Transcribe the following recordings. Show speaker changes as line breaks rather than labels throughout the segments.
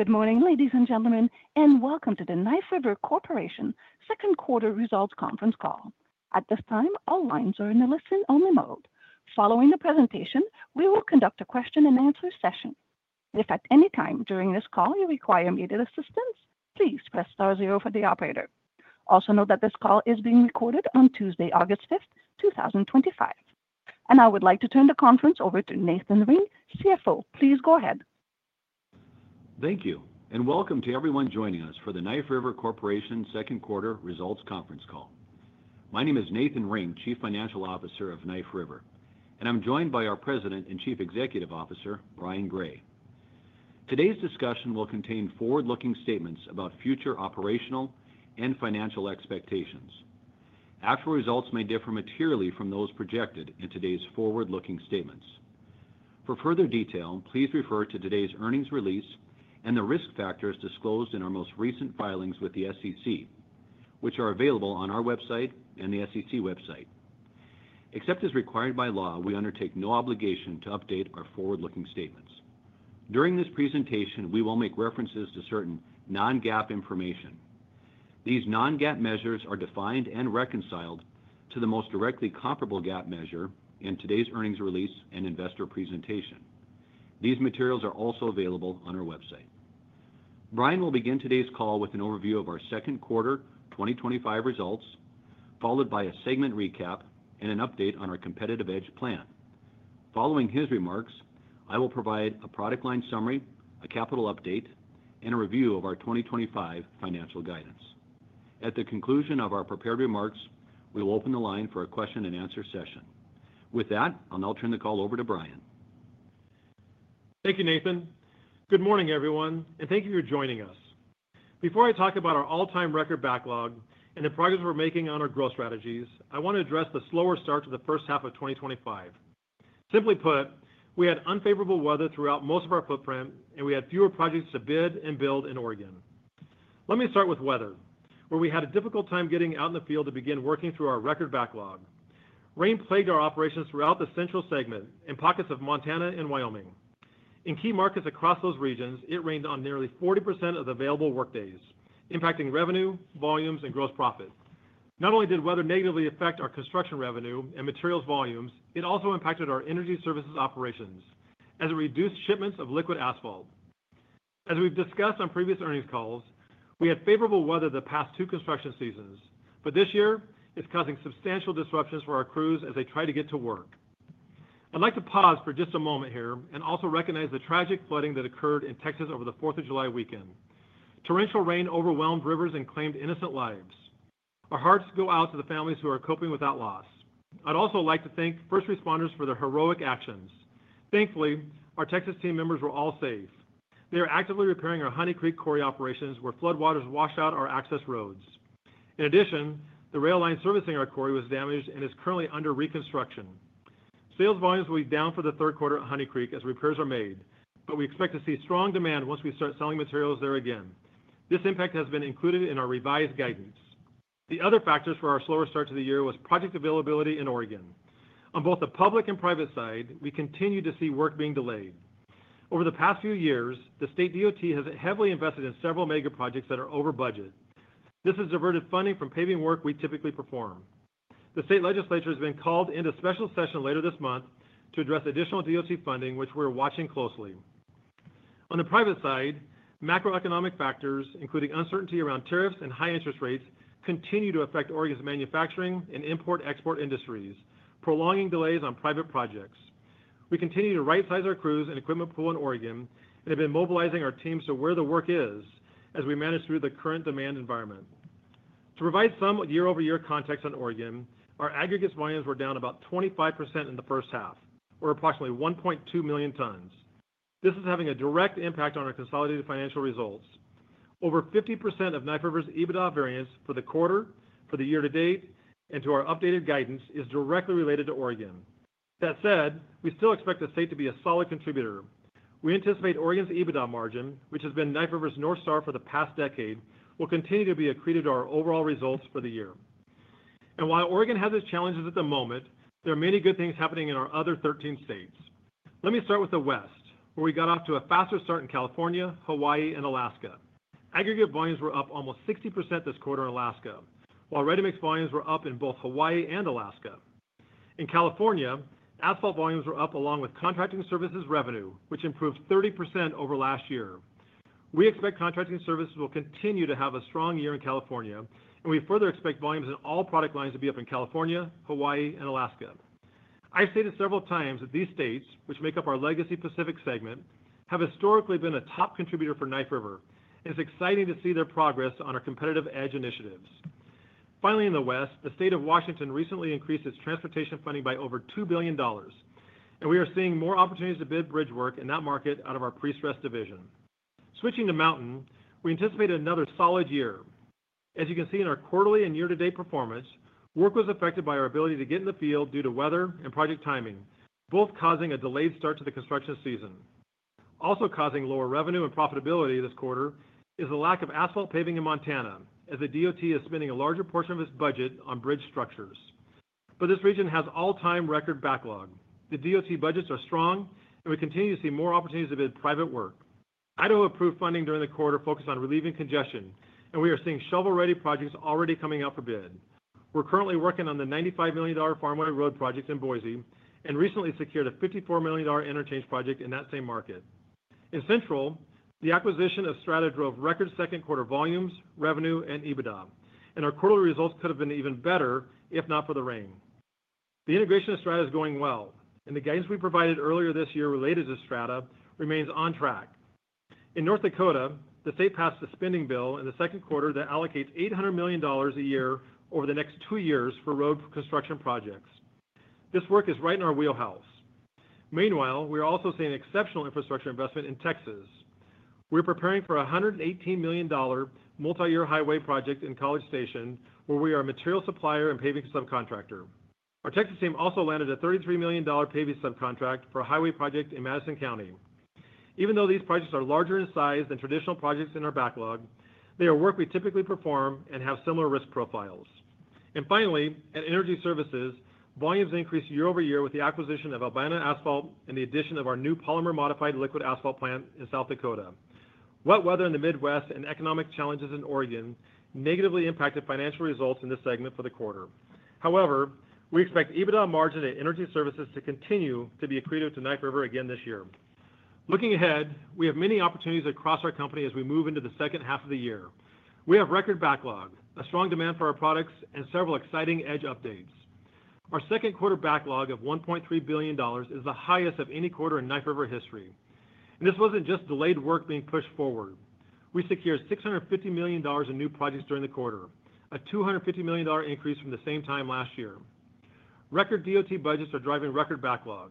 Good morning ladies and gentlemen and welcome to the Knife River Corporation Second Quarter Results Conference Call. At this time all lines are in the listen only mode. Following the presentation, we will conduct a question and answer session. If at any time during this call you require immediate assistance, please press star zero for the operator. Also note that this call is being recorded on Tuesday, August 5th, 2025, and I would like to turn the conference over to Nathan Ring, CFO. Please go ahead.
Thank you and welcome to everyone joining us for the Knife River Corporation Second Quarter Results Conference Call. My name is Nathan Ring, Chief Financial Officer of Knife River, and I'm joined by our President and Chief Executive Officer, Brian Gray. Today's discussion will contain forward-looking statements about future operational and financial expectations. Actual results may differ materially from those projected in today's forward-looking statements. For further detail, please refer to today's earnings release and the risk factors disclosed in our most recent filings with the SEC, which are available on our website and the SEC website. Except as required by law, we undertake no obligation to update our forward-looking statements. During this presentation, we will make references to certain non-GAAP information. These non-GAAP measures are defined and reconciled to the most directly comparable GAAP measure in today's earnings release and investor presentation. These materials are also available on our website. Brian will begin today's call with an overview of our second quarter 2025 results, followed by a segment recap and an update on our competitive EDGE plan. Following his remarks, I will provide a product line summary, a capital update, and a review of our 2025 financial guidance. At the conclusion of our prepared remarks, we will open the line for a question-and-answer session. With that, I'll now turn the call over to Brian.
Thank you, Nathan. Good morning everyone and thank you for joining us. Before I talk about our all-time record backlog and the progress we're making on our growth strategies, I want to address the slower start to the first half of 2025. Simply put, we had unfavorable weather throughout most of our footprint and we had fewer projects to bid and build in Oregon. Let me start with weather, where we had a difficult time getting out in the field to begin working through our record backlog. Rain plagued our operations throughout the Central segment and pockets of Montana and Wyoming. In key markets across those regions, it rained on nearly 40% of the available workdays, impacting revenue volumes and gross profit. Not only did weather negatively affect our construction revenue and materials volumes, it also impacted our energy services operations as it reduced shipments of liquid asphalt as we've discussed on previous earnings calls. We had favorable weather the past two construction seasons, but this year is causing substantial disruptions for our crews as they try to get to work. I'd like to pause for just a moment here and also recognize the tragic flooding that occurred in Texas over the 4th of July weekend. Torrential rain overwhelmed rivers and claimed innocent lives. Our hearts go out to the families who are coping with that loss. I'd also like to thank first responders for their heroic actions. Thankfully, our Texas team members were all safe. They are actively repairing our Honey Creek Quarry operations where flood waters washed out our access roads. In addition, the rail line servicing our quarry was damaged and is currently under reconstruction. Sales volumes will be down for the third quarter at Honey Creek as repairs are made, but we expect to see strong demand once we start selling materials there. Again, this impact has been included in our revised guidance. The other factors for our slower start to the year was project availability in Oregon. On both the public and private side, we continue to see work being delayed. Over the past few years, the state DOT has heavily invested in several megaprojects that are over budget. This has diverted funding from paving work we typically perform. The state legislature has been called into special session later this month to address additional DOT funding, which we're watching closely. On the private side, macroeconomic factors including uncertainty around tariffs and high interest rates continue to affect Oregon's manufacturing and import export industries, prolonging delays on private projects. We continue to right size our crews and equipment pool in Oregon and have been mobilizing our teams to where the work is as we manage through the current demand environment. To provide some year-over-year context on Oregon, our aggregates volumes were down about 25% in the first half, or approximately 1.2 million tons. This is having a direct impact on our consolidated financial results. Over 50% of Knife River's EBITDA variance for the quarter, for the year-to-date, and to our updated guidance is directly related to Oregon. That said, we still expect the state to be a solid contributor. We anticipate Oregon's EBITDA margin, which has been Knife River's North Star for the past decade, will continue to be accretive to our overall results for the year. While Oregon has its challenges at the moment, there are many good things happening in our other 13 states. Let me start with the West, where we got off to a faster start in California, Hawaii, and Alaska. Aggregate volumes were up almost 60% this quarter in Alaska, while ready-mix volumes were up in both Hawaii and Alaska. In California, asphalt volumes were up along with contracting services revenue, which improved 30% over last year. We expect contracting services will continue to have a strong year in California, and we further expect volumes in all product lines to be up in California, Hawaii, and Alaska. I've stated several times that these states, which make up our legacy Pacific segment, have historically been a top contributor for Knife River. It's exciting to see their progress on our competitive EDGE initiatives. Finally, in the West, the State of Washington recently increased its transportation funding by over $2 billion, and we are seeing more opportunities to bid bridge work in that market out of our prestressed division. Switching to Mountain, we anticipate another solid year. As you can see in our quarterly and year-to-date performance, work was affected by our ability to get in the field due to weather and project timing, both causing a delayed start to the construction season. Also causing lower revenue and profitability this quarter is a lack of asphalt paving in Montana, as the DOT is spending a larger portion of its budget on bridge structures, but this region has all-time record backlog. The DOT budgets are strong, and we continue to see more opportunities to bid private work. Idaho approved funding during the quarter focused on relieving congestion, and we are seeing shovel-ready projects already coming up. We are currently working on the $95 million Farmway Road project in Boise and recently secured a $54 million interchange project in that same market. In Central, the acquisition of Strata drove record second quarter volumes, revenue, and EBITDA, and our quarterly results could have been even better if not for the rain. The integration of Strata is going well, and the guidance we provided earlier this year related to Strata remains on track. In North Dakota, the state passed a spending bill in the second quarter that allocates $800 million a year over the next two years for road construction projects. This work is right in our wheelhouse. Meanwhile, we are also seeing exceptional infrastructure investment in Texas. We're preparing for a $118 million multi-year highway project in College Station, where we are a material supplier and paving subcontractor. Our Texas team also landed a $33 million paving subcontract for a highway project in Madison County. Even though these projects are larger in size than traditional projects in our backlog, they are work we typically perform and have similar risk profiles. Finally, at Energy Services, volumes increased year-over-year with the acquisition of Albina Asphalt and the addition of our new polymer modified liquid asphalt plant in South Dakota. Wet weather in the Midwest and economic challenges in Oregon negatively impacted financial results in this segment for the quarter. However, we expect EBITDA margin at Energy Services to continue to be accretive to Knife River again this year. Looking ahead, we have many opportunities across our company as we move into the second half of the year. We have record backlog, a strong demand for our products, and several exciting EDGE updates. Our second quarter backlog of $1.3 billion is the highest of any quarter in Knife River history, and this wasn't just delayed work being pushed forward. We secured $650 million in new projects during the quarter, a $250 million increase from the same time last year. Record DOT budgets are driving record backlog.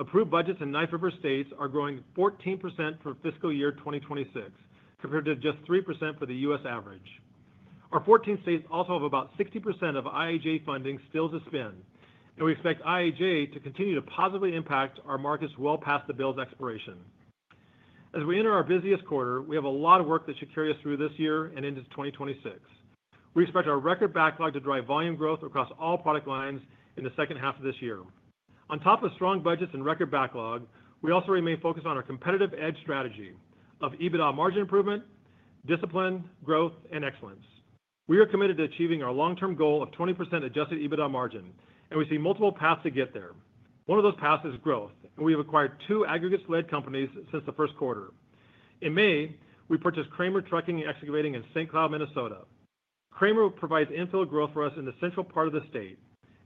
Approved budgets in Knife River states are growing 14% for fiscal year 2026 compared to just 3% for the U.S. average. Our 14 states also have about 60% of IHA funding still to spend, and we expect IHA to continue to positively impact our markets well past the bill expiration. As we enter our busiest quarter, we have a lot of work that should carry us through this year and into 2026. We expect our record backlog to drive volume growth across all product lines in the second half of this year. On top of strong budgets and record backlog, we also remain focused on our competitive EDGE strategy of EBITDA margin improvement, discipline, growth, and excellence. We are committed to achieving our long-term goal of 20% adjusted EBITDA margin, and we see multiple paths to get there. One of those paths is growth, and we have acquired two aggregates-led companies since the first quarter. In May, we purchased Kraemer Trucking and Excavating in St. Cloud, Minnesota. Kraemer provides infill growth for us in the central part of the state.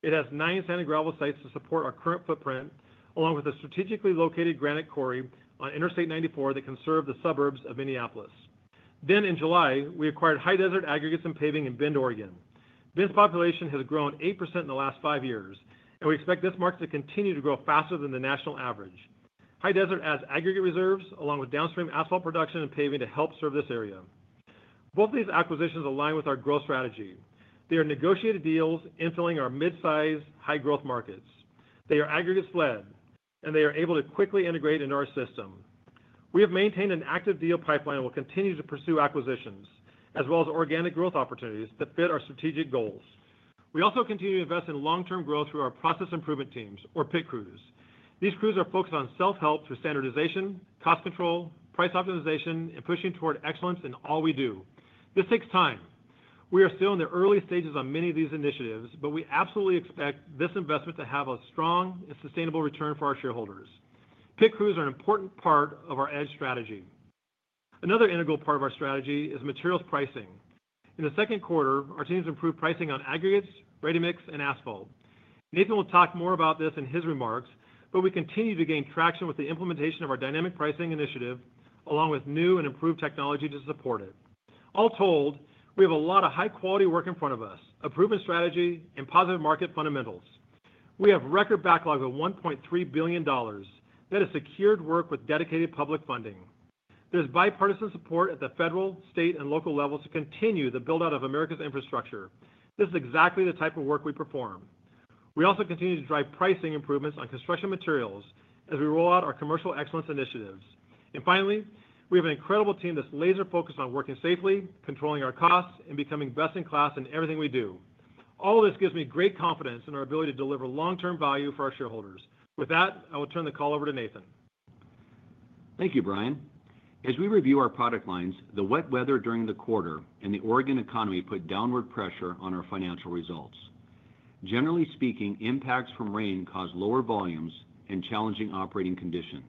It has nine sand and gravel sites to support our current footprint, along with a strategically located granite quarry on Interstate 94 that can serve the suburbs of Minneapolis. In July, we acquired High Desert Aggregate and Paving in Bend, Oregon. Bend's population has grown 8% in the last five years, and we expect this market to continue to grow faster than the national average. High Desert adds aggregate reserves along with downstream asphalt production and paving to help serve this area. Both these acquisitions align with our growth strategy. They are negotiated deals infilling our mid-sized, high-growth markets. They are aggregates-led, and they are able to quickly integrate into our system. We have maintained an active deal pipeline and will continue to pursue acquisitions as well as organic growth opportunities that fit our strategic goals. We also continue to invest in long-term growth through our process improvement teams or pit crews, and these crews are focused on self-help through standardization, cost control, price optimization, and pushing toward excellence in all we do. This takes time. We are still in the early stages on many of these initiatives, but we absolutely expect this investment to have a strong and sustainable return for our shareholders. Pit crews are an important part of our EDGE strategy. Another integral part of our strategy is materials pricing. In the second quarter, our teams improved pricing on aggregates, ready-mix concrete, and asphalt. Nathan will talk more about this in his remarks, but we continue to gain traction with the implementation of our dynamic pricing initiative along with new and improved technology to support it. All told, we have a lot of high-quality work in front of us, a proven strategy, and positive market fundamentals. We have record backlog of $1.3 billion that is secured work with dedicated public funding. There's bipartisan support at the federal, state, and local levels to continue the build out of America's infrastructure, and this is exactly the type of work we perform. We also continue to drive pricing improvements on construction materials as we roll out our commercial excellence initiatives. Finally, we have an incredible team that's laser focused on working safely, controlling our costs, and becoming best in class in everything we do. All of this gives me great confidence in our ability to deliver long-term value for our shareholders. With that, I will turn the call over to Nathan.
Thank you Brian. As we review our product lines, the wet weather during the quarter and the Oregon economy put downward pressure on our financial results. Generally speaking, impacts from rain caused lower volumes and challenging operating conditions,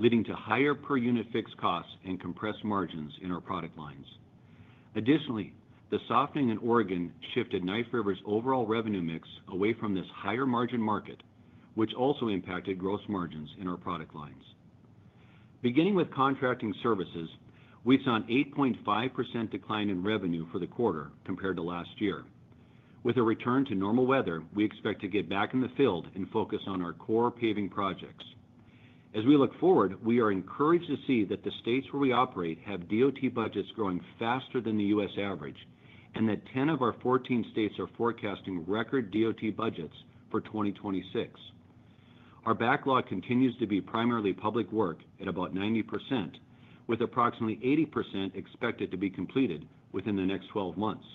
leading to higher per unit fixed costs and compressed margins in our product lines. Additionally, the softening in Oregon shifted Knife River's overall revenue mix away from this higher margin market, which also impacted gross margins in our product lines. Beginning with contracting services, we saw an 8.5% decline in revenue for the quarter compared to last year. With a return to normal weather, we expect to get back in the field and focus on our core paving projects. As we look forward, we are encouraged to see that the states where we operate have DOT budgets growing faster than the U.S. average and that 10 of our 14 states are forecasting record DOT budgets for 2026. Our backlog continues to be primarily public work at about 90%, with approximately 80% expected to be completed within the next 12 months.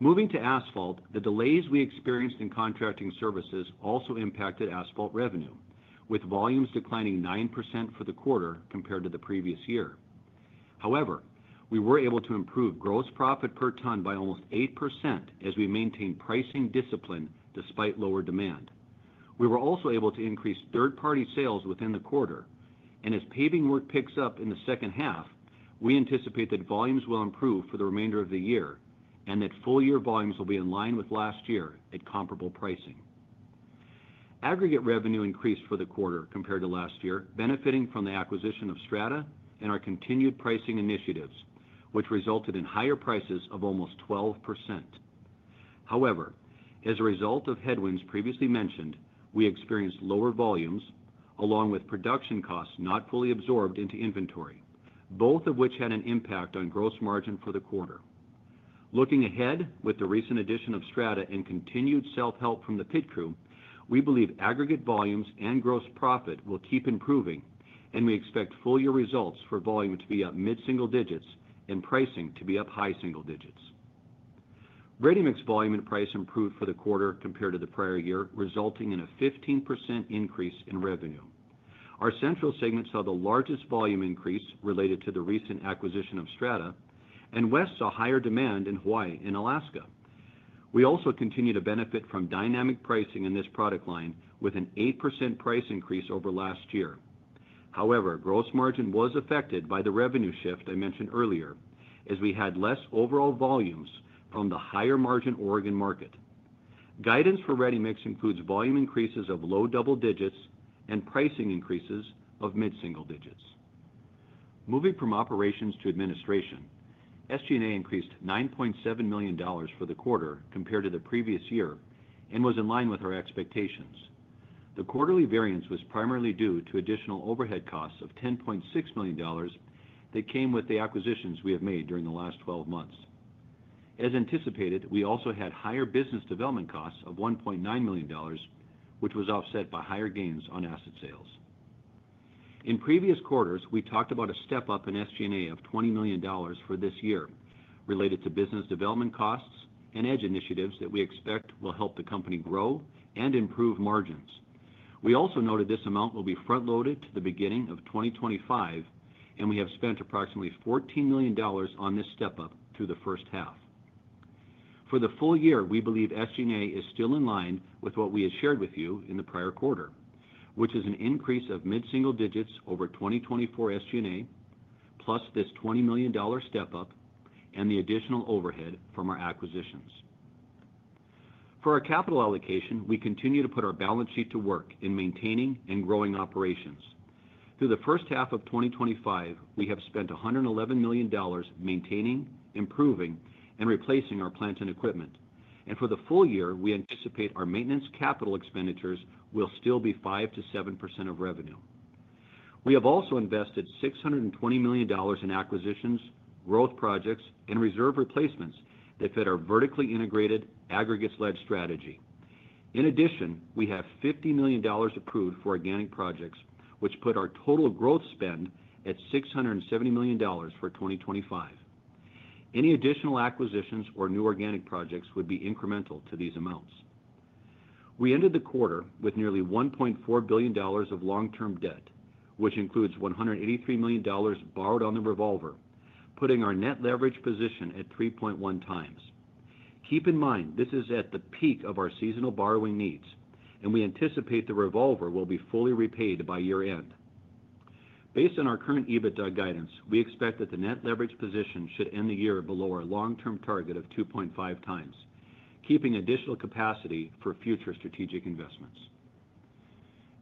Moving to asphalt, the delays we experienced in contracting services also impacted asphalt revenue, with volumes declining 9% for the quarter compared to the previous year. However, we were able to improve gross profit per ton by almost 8% as we maintained pricing discipline despite lower demand. We were also able to increase third-party sales within the quarter, and as paving work picks up in the second half, we anticipate that volumes will improve for the remainder of the year and that full year volumes will be in line with last year at comparable pricing. Aggregate revenue increased for the quarter compared to last year, benefiting from the acquisition of Strata and our continued pricing initiatives, which resulted in higher prices of almost 12%. However, as a result of headwinds previously mentioned, we experienced lower volumes along with production costs not fully absorbed into inventory, both of which had an impact on gross margin for the quarter. Looking ahead, with the recent addition of Strata and continued self help from the pit crew, we believe aggregate volumes and gross profit will keep improving and we expect full year results for volume to be up mid single digits and pricing to be up high single digits. Ready-mix volume and price improved for the quarter compared to the prior year, resulting in a 15% increase in revenue. Our Central segment saw the largest volume increase related to the recent acquisition of Strata, and West saw higher demand in Hawaii and Alaska. We also continue to benefit from dynamic pricing in this product line with an 8% price increase over last year. However, gross margin was affected by the revenue shift I mentioned earlier as we had less overall volumes from the higher margin Oregon market. Guidance for ready-mix concrete includes volume increases of low double digits and pricing increases of mid single digits. Moving from operations to Administration, SG&A increased $9.7 million for the quarter compared to the previous year and was in line with our expectations. The quarterly variance was primarily due to additional overhead costs of $10.6 million that came with the acquisitions we have made during the last 12 months. As anticipated, we also had higher business development costs of $1.9 million, which was offset by higher gains on asset sales. In previous quarters, we talked about a step up in SG&A of $20 million for this year related to business development costs and EDGE initiatives that we expect will help the company grow and improve margins. We also noted this amount will be front loaded to the beginning of 2025, and we have spent approximately $14 million on this step up through the first half. For the full year, we believe SG&A is still in line with what we had shared with you in the prior quarter, which is an increase of mid single digits over 2024 SG&A plus this $20 million step up and the additional overhead from our acquisitions. For our capital allocation we continue to put our balance sheet to work in maintaining and growing operations. Through the first half of 2025, we have spent $111 million maintaining, improving, and replacing our plant and equipment, and for the full year we anticipate our maintenance capital expenditures will still be 5%-7% of revenue. We have also invested $620 million in acquisitions, growth projects, and reserve replacements that fit our vertically integrated aggregates-led strategy. In addition, we have $50 million approved for organic projects, which put our total growth spend at $670 million for 2025. Any additional acquisitions or new organic projects would be incremental to these amounts. We ended the quarter with nearly $1.4 billion of long-term debt, which includes $183 million borrowed on the revolver, putting our net leverage position at 3.1x. Keep in mind this is at the peak of our seasonal borrowing needs, and we anticipate the revolver will be fully repaid by year end. Based on our current EBITDA guidance, we expect that the net leverage position should end the year below our long-term target of 2.5x, keeping additional capacity for future strategic investments.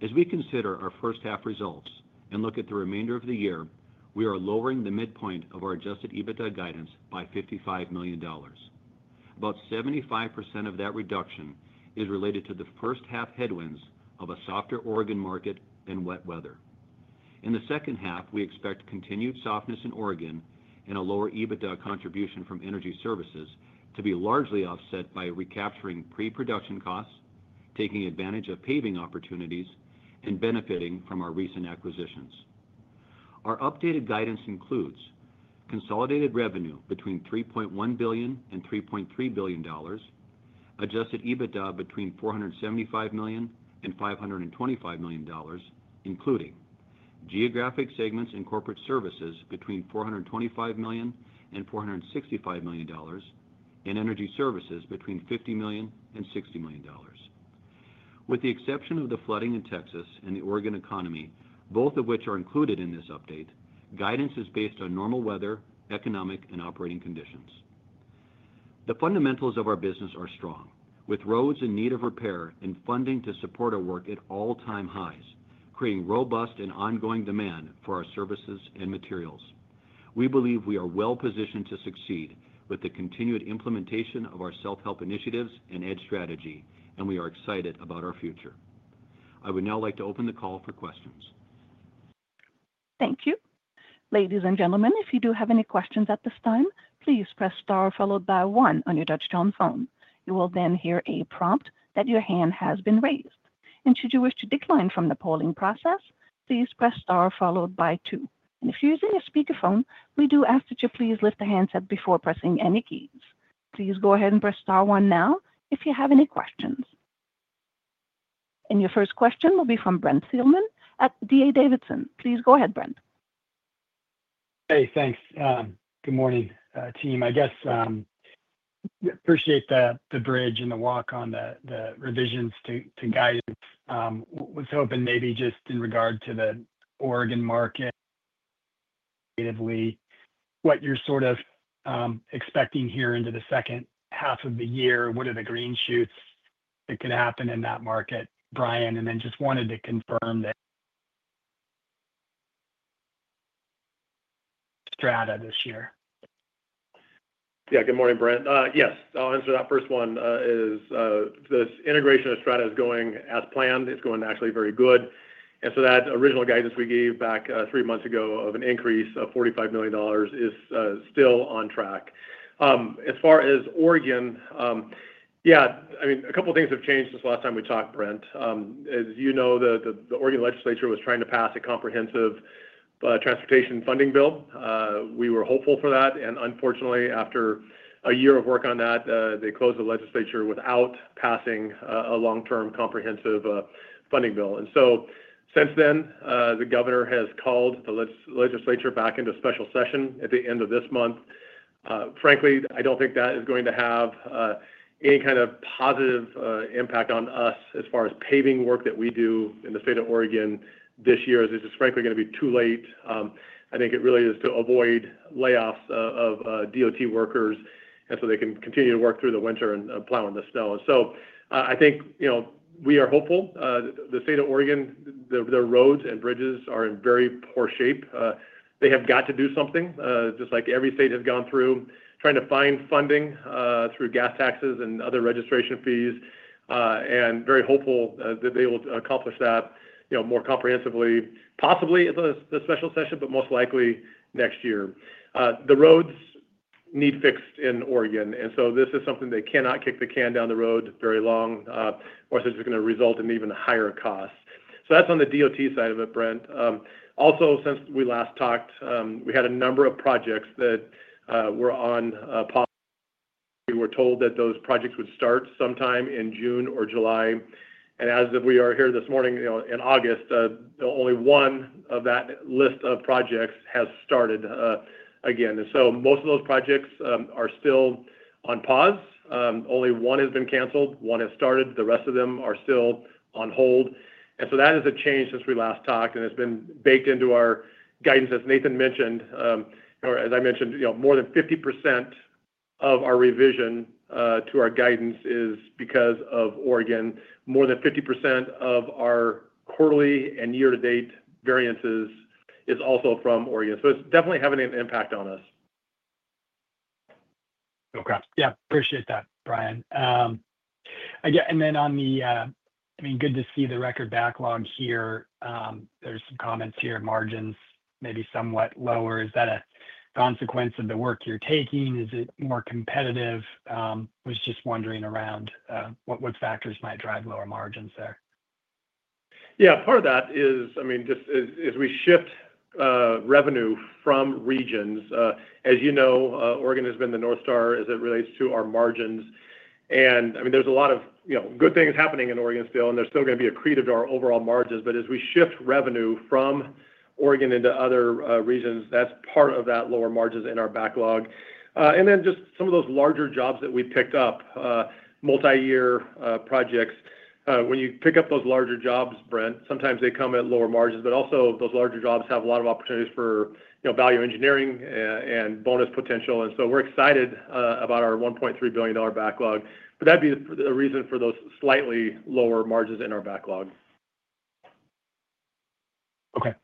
As we consider our first half results and look at the remainder of the year, we are lowering the midpoint of our adjusted EBITDA guidance by $55 million. About 75% of that reduction is related to the first half, headwinds of a softer Oregon market, and wet weather. In the second half, we expect continued softness in Oregon and a lower EBITDA contribution from energy services to be largely offset by recapturing pre-production costs, taking advantage of paving opportunities, and benefiting from our recent acquisitions. Our updated guidance includes consolidated revenue between $3.1 billion and $3.3 billion, adjusted EBITDA between $475 million and $525 million, including geographic segments and corporate services between $425 million and $465 million, and energy services between $50 million and $60 million. With the exception of the flooding in Texas and the Oregon economy, both of which are included in this update, guidance is based on normal weather, economic, and operating conditions. The fundamentals of our business are strong, with roads in need of repair and funding to support our work at all-time highs, creating robust and ongoing demand for our services and materials. We believe we are well positioned to succeed with the continued implementation of our self-help initiatives and EDGE strategy, and we are excited about our future. I would now like to open the call for questions.
Thank you, ladies and gentlemen. If you do have any questions at this time, please press star followed by one on your touch-tone phone. You will then hear a prompt that your hand has been raised, and should you wish to decline from the polling process, please press star followed by two. If you're using a speakerphone, we do ask that you please lift the handset before pressing any keys. Please go ahead and press star one now if you have any questions. Your first question will be from Brent Thielman at D.A. Davidson. Please go ahead Brent.
Hey, thanks. Good morning team. I appreciate the bridge and the walk on the revisions to guidance. Was hoping maybe just in regard to the Oregon market. What you're sort of expecting here into the second half of the year, what are the green shoots that could happen in that market, Brian, and then just wanted to confirm that Strata this year.
Yeah. Good morning, Brent. Yes, I'll answer that first one. Is this integration of Strata is going as planned? It's going actually very good. That original guidance we gave back three months ago of an increase of $45 million is still on track. As far as Oregon, a couple things have changed since last time we talked, Brent. As you know, the Oregon Legislature was trying to pass a comprehensive transportation funding bill. We were hopeful for that. Unfortunately, after a year of work on that, they closed the Legislature without passing a long-term comprehensive funding bill. Since then the governor has called the Legislature back into special session at the end of this month. Frankly, I don't think that is going to have any kind of positive impact on us as far as paving work that we do in the state of Oregon this year as it's just frankly going to be too late. I think it really is to avoid layoffs of DOT workers and so they can continue to work through the winter and plow in the snow. I think, you know, we are hopeful. The state of Oregon, their roads and bridges are in very poor shape. They have got to do something just like every state has gone through trying to find funding through gas taxes and other registration fees and very hopeful that they will accomplish that, you know, more comprehensively, possibly at the special session. Most likely next year the roads need fixed in Oregon. This is something they cannot kick the can down the road very long or it's going to result in even higher costs. That's on the DOT side of it, Brent. Also, since we last talked, we had a number of projects that were on. We were told that those projects would start sometime in June or July. As we are here this morning in August, only one of that list of projects has started again. Most of those projects are still on pause. Only one has been canceled, one has started. The rest of them are still on hold. That is a change since we last talked and it's been baked into our guidance as Nathan mentioned or as I mentioned, you know, more than 50% of our revision to our guidance is because of Oregon. More than 50% of our quarterly and year to date variances is also from Oregon. It's definitely having an impact on us.
Oh crap. Yeah, appreciate that, Brian. On the, I mean, good to see the record backlog here. There are some comments here margins may be somewhat lower. Is that a consequence of the work you're taking? Is it more competitive? Was just wondering around what factors might drive lower margins there.
Yeah, part of that is, I mean just as we shift revenue from regions, as you know, Oregon has been the North Star as it relates to our margins. There are a lot of, you know, good things happening in Oregon still and they're still going to be accretive to our overall margins. As we shift revenue from Oregon into other regions, that's part of that lower margins in our backlog. Just some of those larger jobs that we picked up, multi-year projects. When you pick up those larger jobs, Brent, sometimes they come at lower margins, but also those larger jobs have a lot of opportunities for value engineering and bonus potential. We're excited about our $1.3 billion backlog. That'd be the reason for those slightly lower margins in our backlog.
Okay,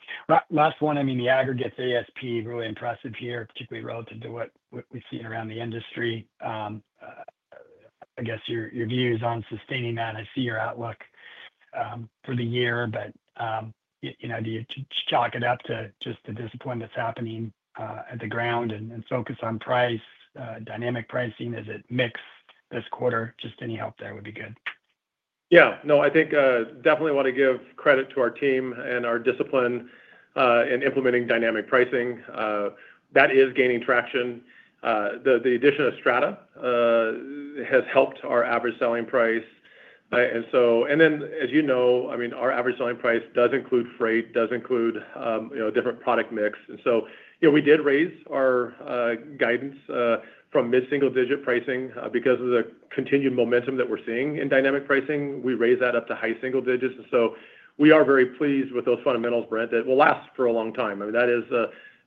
last one. I mean the aggregates ASP, really impressive here, particularly relative to what we've seen around the industry. I guess your views on sustaining that. I see your outlook for the year, but you know, do you chalk it up to just the discipline that's happening at the ground and focus on price, dynamic pricing? Is it mix this quarter? Just any help there would be good.
I think definitely want to give credit to our team and our discipline in implementing dynamic pricing that is gaining traction. The addition of Strata has helped our average selling price. Our average selling price does include freight, does include different product mix. We did raise our guidance from mid single digit pricing because of the continued momentum that we're seeing in dynamic pricing. We raised that up to high single digits. We are very pleased with those fundamentals, Brent, that will last for a long time. That is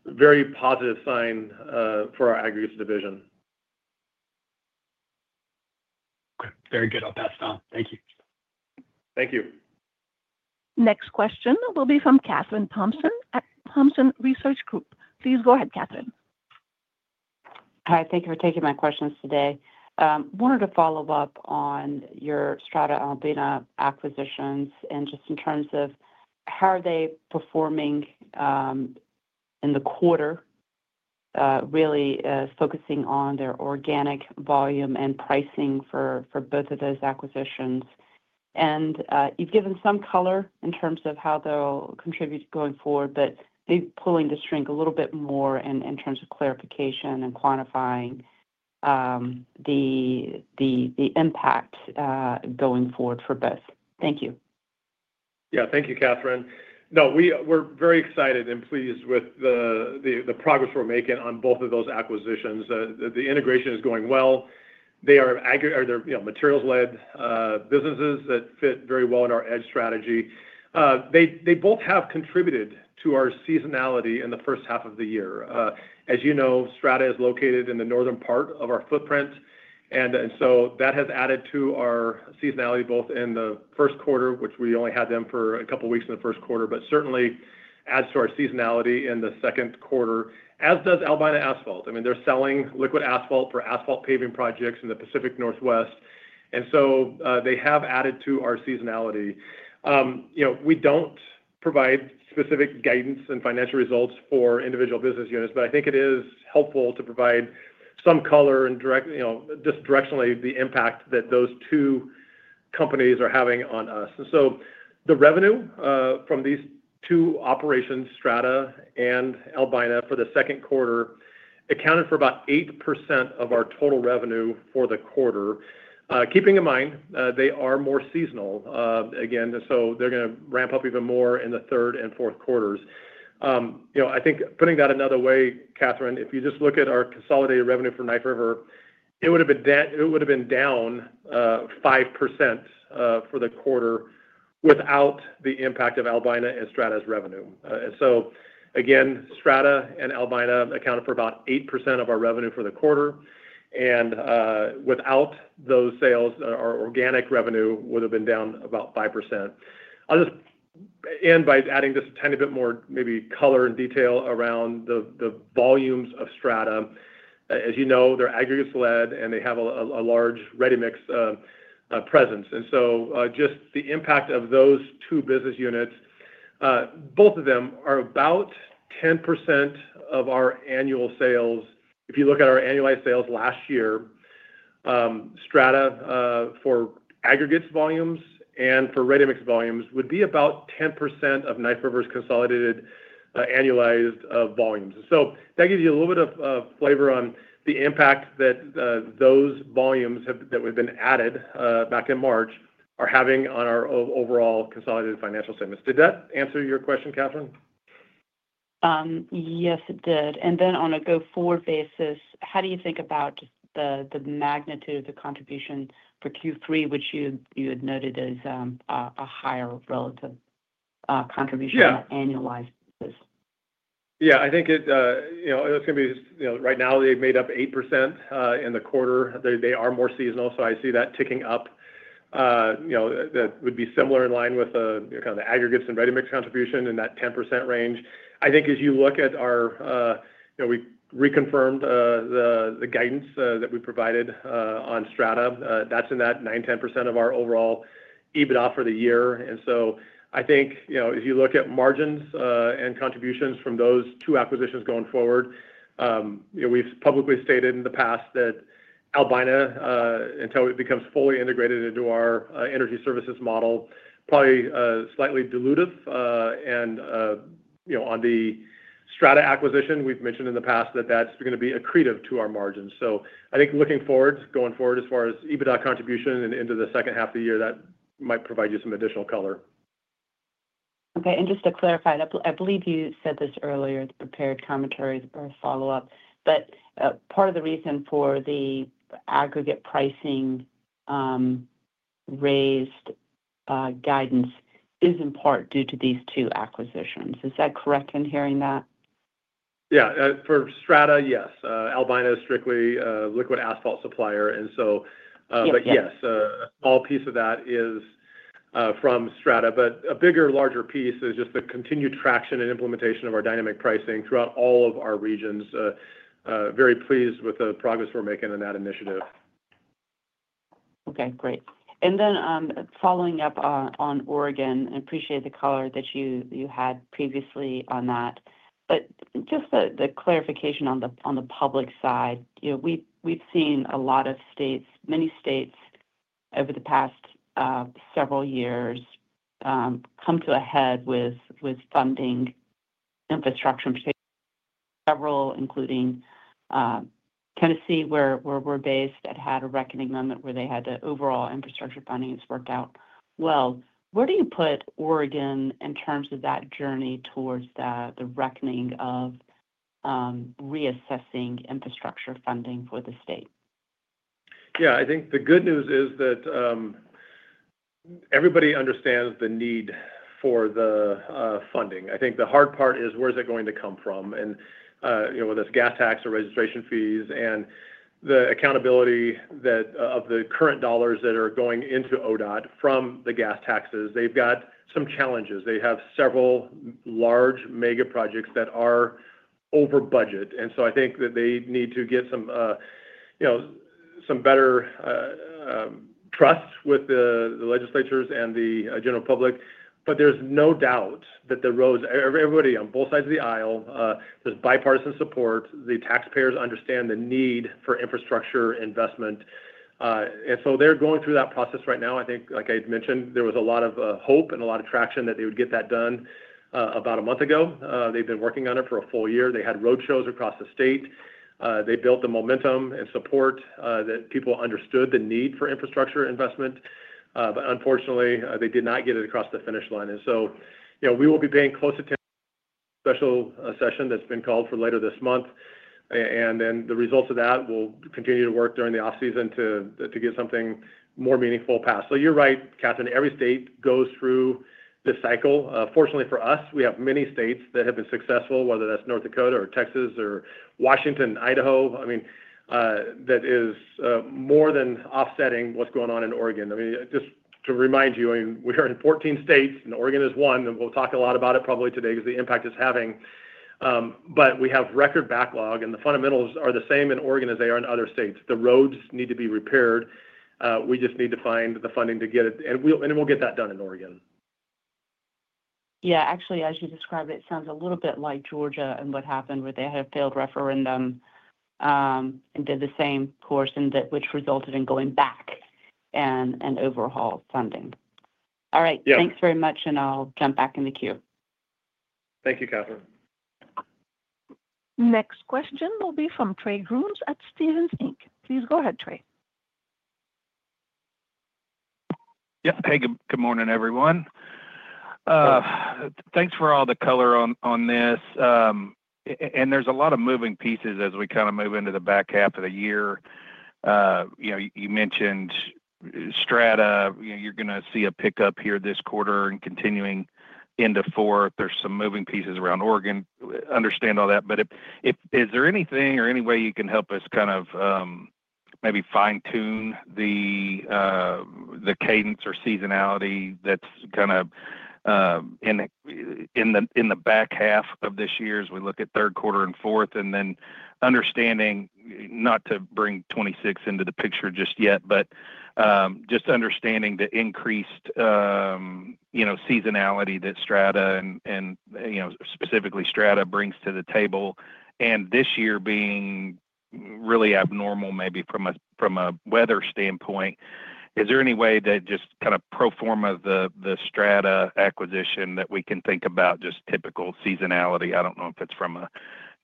a very positive sign for our aggregates division.
Very good. I'll pass on. Thank you.
Thank you.
Next question will be from Kathryn Thompson at Thomson Research Group. Please go ahead Katherine.
Hi, thank you for taking my questions today. Wanted to follow up on your Strata, Albina acquisitions and just in terms of how are they performing in the quarter, really focusing on their organic volume and pricing for both of those acquisitions. You've given some color in terms of how they'll contribute going forward, but pulling the string a little bit more in terms of clarification and quantifying the impact going forward for both. Thank you.
Yeah, thank you, Kathryn. No, we're very excited and pleased with the progress we're making on both of those acquisitions. The integration is going well. They are materials-led businesses that fit very well in our EDGE strategy. They both have contributed to our seasonality in the first half of the year. As you know, Strata is located in the northern part of our footprint and so that has added to our seasonality both in the first quarter, which we only had them for a couple of weeks in the first quarter, but certainly adds to our seasonality in the second quarter, as does Albina Asphalt. I mean, they're selling liquid asphalt for asphalt paving projects in the Pacific Northwest, and so they have added to our seasonality. We don't provide specific guidance and financial results for individual business units, but I think it is helpful to provide some color and just directionally the impact that those two companies are having on us. The revenue from these two operations, Strata and Albina, for the second quarter accounted for about 8% of our total revenue for the quarter. Keeping in mind they are more seasonal again, so they're going to ramp up even more in the third and fourth quarters. I think putting that another way, Kathryn, if you just look at our consolidated revenue for Knife River, it would have been down 5% for the quarter without the impact of Albina and Strata's revenue. Strata and Albina accounted for about 8% of our revenue for the quarter, and without those sales, our organic revenue would have been down about 5%. I'll just add a tiny bit more color and detail around the volumes of Strata. As you know, they're aggregates-led and they have a large ready-mix presence, and so just the impact of those two business units, both of them are about 10% of our annual sales. If you look at our annualized sales last year, Strata for aggregates volumes and for ready-mix volumes would be about 10% of Knife River's consolidated annualized volumes. That gives you a little bit of flavor on the impact that those volumes have that we've added back in March are having on our overall consolidated financial statements. Did that answer your question, Kathryn?
Yes, it did. On a go forward basis, how do you think about the magnitude of the contribution for Q3, which you had noted is a higher relative contribution on an annualized basis?
I think it, you know, it's. Going to be, you know, right now they made up 8% in the quarter. They are more seasonal. I see that ticking up. That would be similar in line with kind of the aggregates and ready-mix contribution in that 10% range. I think as you look at our, we reconfirmed the guidance that we provided on Strata. That's in that 9%, 10% of our overall EBITDA for the year. I think if you look at margins and contributions from those two acquisitions going forward, we've publicly stated in the past that Albina, until it becomes fully integrated into our energy services model, probably slightly dilutive. You know, on the Strata acquisition, we've mentioned in the past that that's going to be accretive to our margins. I think looking forward, going forward as far as EBITDA contribution and into the second half of the year, that might provide you some additional color.
Okay, and just to clarify, I believe you said this earlier, the prepared commentary, the first follow up, part of the reason for the aggregate pricing raised guidance is in part due to these two acquisitions, is that correct in hearing that?
Yeah, for Strata, yes, Albina is strictly liquid asphalt supplier. Yes, all piece of that is from Strata, but a bigger, larger piece is just the continued traction and implementation of our dynamic pricing throughout all of our regions. Very pleased with the progress we're making on that initiative.
Okay, great. Following up on Oregon, I appreciate the color that you had previously on that, but just the clarification on the public side, you know, we've seen a lot of states, many states over the past several years come to a head with funding infrastructure. Several, including Tennessee, where we're based, had a reckoning moment where they had the overall infrastructure funding work out. Where do you put Oregon in terms of that journey towards the reckoning of reassessing infrastructure funding for the state?
Yeah, I think the good news is everybody understands the need for the funding. I think the hard part is where's it going to come from and, you know, whether it's gas tax or registration fees and the accountability of the current dollars that are going into ODOT from the gas taxes, they've got some challenges. They have several large mega projects that are over budget. I think that they need to get some, you know, some better trust with the legislatures and the general public. There's no doubt that the roads, everybody on both sides of the aisle, there's bipartisan support. The taxpayers understand the need for infrastructure investment. They're going through that process right now. I think, like I mentioned, there was a lot of hope and a lot of traction that they would get that done about a month ago. They've been working on it for a full year. They had road shows across the state. They built the momentum and support that people understood the need for infrastructure investment. Unfortunately, they did not get it across the finish line. We will be paying close attention to the special session that's been called for later this month. The results of that will continue to work during the off season to get something more meaningful passed. You're right, Kathryn. Every state goes through this cycle. Fortunately for us, we have many states that have been successful, whether that's North Dakota or Texas or Washington, Idaho. That is more than offsetting what's going on in Oregon. Just to remind you, we are in 14 states and Oregon is one. We'll talk a lot about it probably today because of the impact it is having, we have record backlog and the fundamentals are the same in Oregon as they are in other states. The roads need to be repaired. We just need to find the funding to get it and we'll get that done in Oregon.
Actually, as you described, it sounds a little bit like Georgia and what happened where they had a failed referendum and did the same course, which resulted in going back and an overhaul of funding. All right, thanks very much and I'll jump back in the queue.
Thank you, Kathryn.
Next question will be from Trey Grooms at Stephens Inc. Please go ahead, Trey.
Yep. Hey, good morning, everyone. Thanks for all the color on this. There's a lot of moving pieces as we kind of move into the back half of the year. You mentioned Strata. You're going to see a pickup here this quarter and continuing into fourth. There's some moving pieces around Oregon, understand all that. Is there anything or any way you can help us kind of maybe fine tune the cadence or seasonality that's kind of in the back half of this year as we look at third quarter and fourth, and then understanding, not to bring 2026 into the picture just yet, but just understanding the increased seasonality that Strata and, you know, specifically Strata brings to the table. This year being really abnormal, maybe from a weather standpoint, is there any way that just kind of pro forma the Strata acquisition that we can think about just typical seasonality? I don't know if it's from a,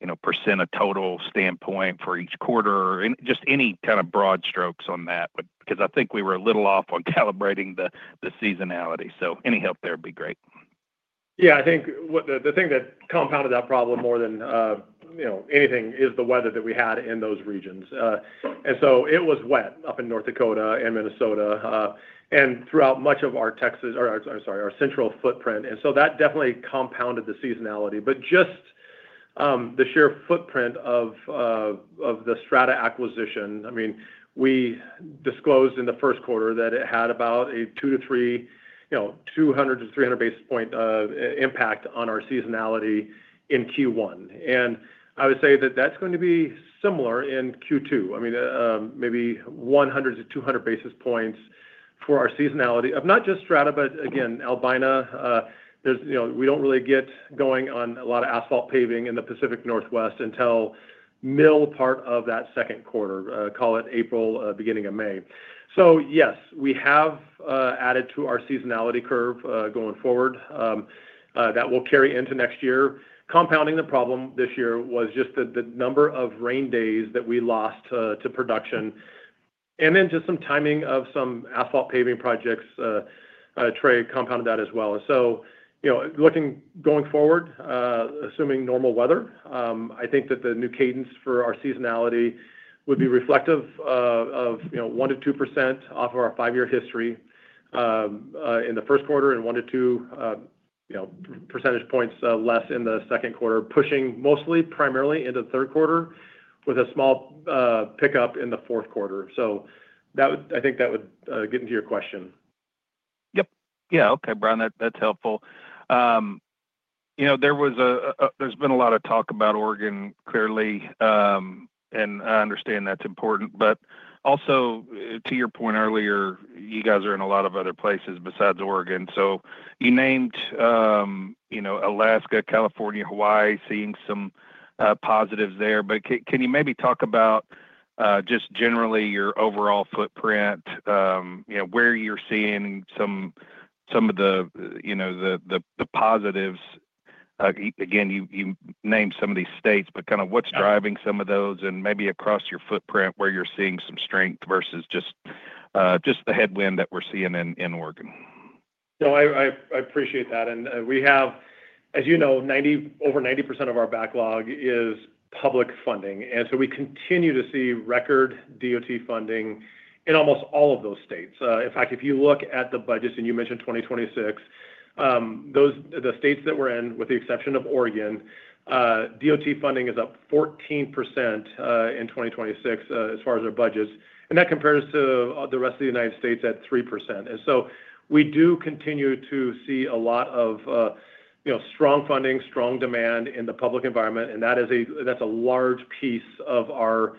you know, percent of total standpoint for each quarter or just any kind of broad strokes on that, because I think we were a little off on calibrating the seasonality. Any help there would be great.
Yeah, I think the thing that compounded that problem more than anything is the weather that we had in those regions. It was wet up in North Dakota and Minnesota and throughout much of our central footprint. That definitely compounded the seasonality, but just the sheer footprint of the Strata acquisition. I mean, we disclosed in the first quarter that it had about a 200-300 basis point impact on our seasonality in Q1. I would say that that's going to be similar in Q2, maybe 100-200 basis points for our seasonality of not just Strata, but again, Albina. We don't really get going on a lot of asphalt paving in the Pacific Northwest until the middle part of that second quarter, call it April, beginning of May. Yes, we have added to our seasonality curve going forward that will carry into next year. Compounding the problem this year was just the number of rain days that we lost to production and then just some timing of some asphalt paving projects. Trey compounded that as well. Looking going forward, assuming normal weather, I think that the new cadence for our seasonality would be reflective of 1%-2% off of our five-year history in the first quarter and 1-2 percentage points less in the second quarter, pushing mostly primarily into the third quarter with a small pickup in the fourth quarter. I think that would get into your question.
Yep. Yeah, okay, Brian, that's helpful. There's been. A lot of talk about Oregon, clearly, and I understand that's important. To your point earlier, you guys are in a lot of other places besides Oregon. You named, you know, Alaska, California, Hawaii, seeing some positives there. Can you maybe talk about just generally your overall footprint, you know, where you're seeing some of the, you know, the positives? Again, you name some of these states, but kind of what's driving some of those and maybe across your footprint where you're seeing some strength versus just the headwind that we're seeing in Oregon.
No, I appreciate that. We have, as you know, over 90% of our backlog is public funding. We continue to see record DOT funding in almost all of those states. In fact, if you look at the budgets and you mentioned 2026, the states that we're in, with the exception of Oregon, DOT funding is up 14% in 2026 as far as our budgets. That compares to the rest of the United States at 3%. We do continue to see a lot of strong funding, strong demand in the public environment. That is a large piece of our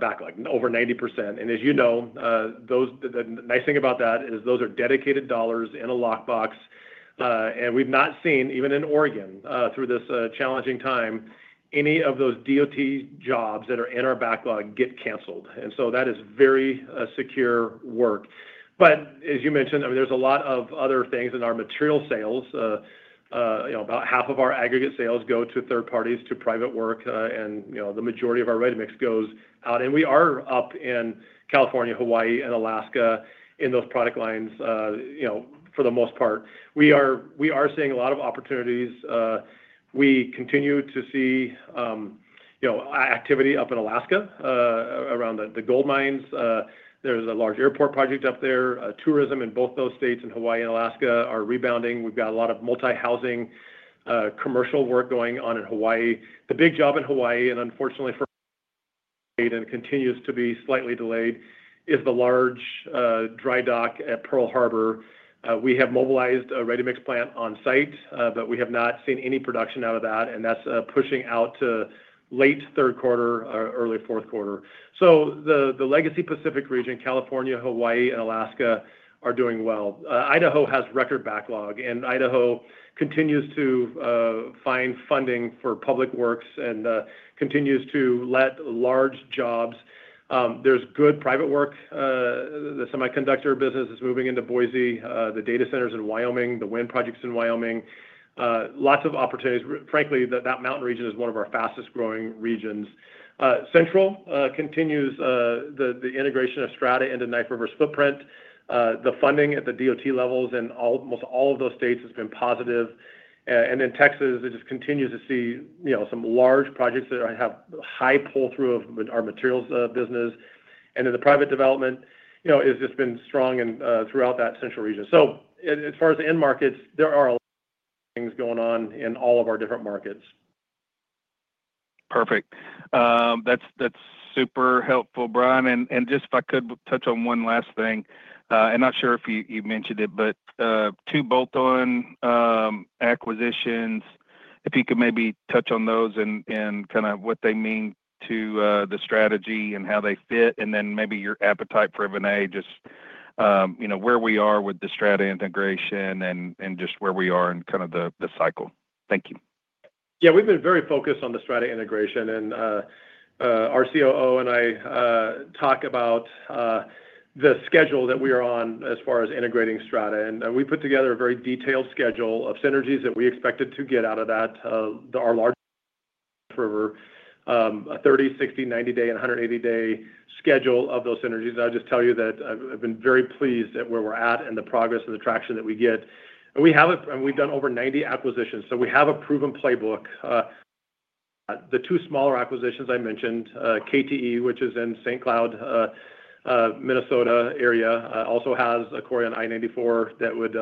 backlog, over 90%. As you know, the nice thing about that is those are dedicated dollars in a lockbox. We've not seen, even in Oregon through this challenging time, any of those DOT jobs that are in our backlog get canceled. That is very secure work. As you mentioned, there are a lot of other things in our material sales. About half of our aggregate sales go to third-parties to private work. The majority of our ready-mix goes out. We are up in California, Hawaii, and Alaska in those product lines. For the most part, we are seeing a lot of opportunities. We continue to see activity up in Alaska around the gold mines. There's a large airport project up there. Tourism in both those states, in Hawaii and Alaska, are rebounding. We've got a lot of multi-housing commercial work going on in Hawaii. The big job in Hawaii, and unfortunately for eight and continues to be slightly delayed, is the large dry dock at Pearl Harbor. We have mobilized a ready-mix plant on site, but we have not seen any production out of that. That's pushing out to late third quarter, early fourth quarter. The legacy Pacific region, California, Hawaii, and Alaska are doing well. Idaho has record backlog. Idaho continues to find funding for public works and continues to let large jobs. There's good private work. The semiconductor business is moving into Boise. The data centers in Wyoming, the wind projects in Wyoming. Lots of opportunities, frankly. That mountain region is one of our fastest growing regions. Central continues the integration of Strata into Knife River's footprint. The funding at the DOT levels in almost all of those states has been positive. Texas just continues to see some large projects that have high pull-through of our materials business, and in the private development, it's just been strong throughout that central region. As far as the end markets, there are things going on in all of our different markets.
Perfect, that's super helpful, Brian. If I could touch on one last thing, not sure if you mentioned it. Two bolt-on acquisitions, if you could maybe touch on those and kind of what they mean to the strategy and how they fit, and then maybe your appetite for M&A. Just, you know, where we are with the Strata integration and just where we are in kind of the cycle. Thank you.
Yeah, we've been very focused on the Strata integration and our COO and I talk about the schedule that we are on as far as integrating Strata, and we put together a very detailed schedule of synergies that we expected to get out of that, our large [River,] a 30, 60, 90 day, 180 day schedule of those synergies. I'll just tell you that I've been very pleased at where we're at and the progress and the traction that we get. We have and we've done over 90 acquisitions, so we have a proven playbook. The two smaller acquisitions I mentioned, KTE, which is in the St. Cloud, Minnesota area, also has a quarry on I-94 that would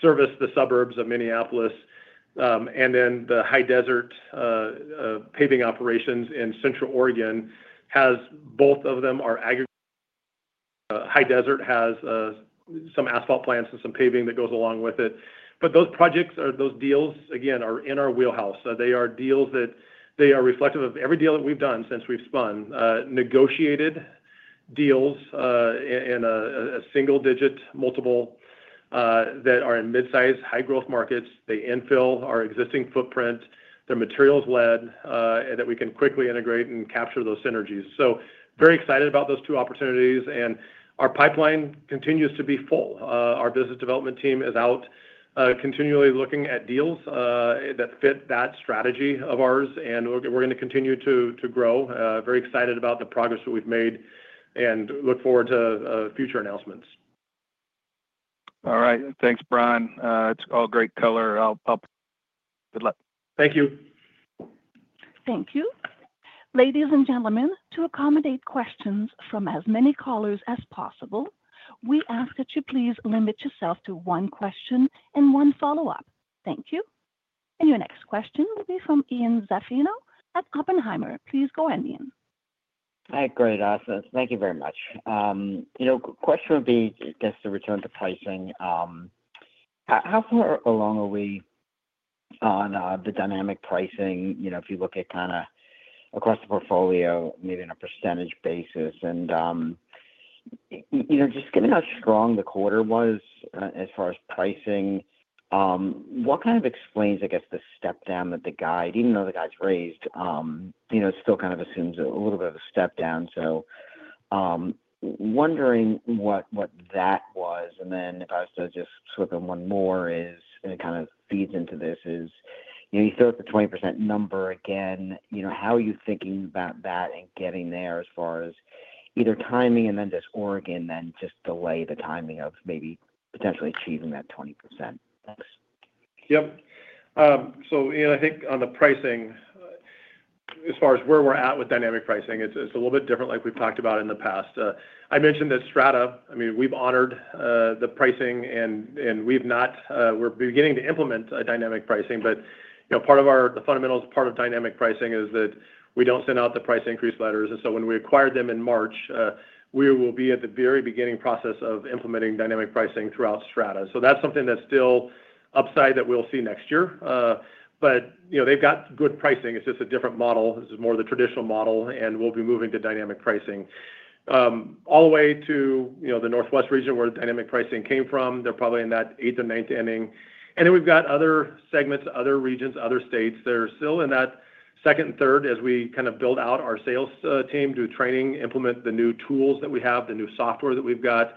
service the suburbs of Minneapolis. The High Desert Paving operations in central Oregon has both of them are. High Desert has some asphalt plants and some paving that goes along with it. Those projects are those deals again. are in our wheelhouse. They are deals that are reflective of every deal that we've done since we've spun, negotiated deals in a single digit multiple that are in mid-sized high growth markets. They infill our existing footprint, they're materials led, and we can quickly integrate and capture those synergies. Very excited about those two opportunities, and our pipeline continues to be full. Our business development team is out continually looking at deals that fit that strategy of ours, and we're going to continue to grow. Very excited about the progress that we've made and look forward to future announcements.
All right, thanks Brian. It's all great color.
Thank you.
Thank you. Ladies and gentlemen, to accommodate questions from as many callers as possible, we ask that you please limit yourself to one question and one follow-up. Thank you. Your next question will be from Ian Zaffino at Oppenheimer. Please go Ian.
Great, awesome. Thank you very much. You know, question would be just to return to pricing, how far along are we on the dynamic pricing? If you look at kind of across the portfolio, maybe on a percentage basis, and just given how strong the quarter was as far as pricing, what kind of explains the step down that the guide, even though the guide's raised, still kind of assumes a little bit of a step down. Wondering what that was, and then just swipe them one more. It kind of feeds into this as you throw out the 20% number again. How are you thinking about that and getting there as far as either timing, and then just Oregon, then just delay the timing of maybe potentially achieving that 20%.
Yep. I think on the pricing, as far as where we're at with dynamic pricing, it's a little bit different like we've talked about in the past, I mentioned that Strata, I mean, we've honored the pricing and we've not. We're beginning to implement dynamic pricing. Part of the fundamentals, part of dynamic pricing is that we don't send out the price increase letters. When we acquired them in March, we were at the very beginning process of implementing dynamic pricing throughout Strata. That's something that's still upside that we'll see next year. They've got good pricing. It's just a different model. This is more the traditional model. We'll be moving to dynamic pricing all the way to the northwest region where dynamic pricing came from. They're probably in that eighth or ninth inning. We've got other segments, other regions, other states that are still in that second and third as we kind of build out our sales team, do training, implement the new tools that we have, the new software that we've got.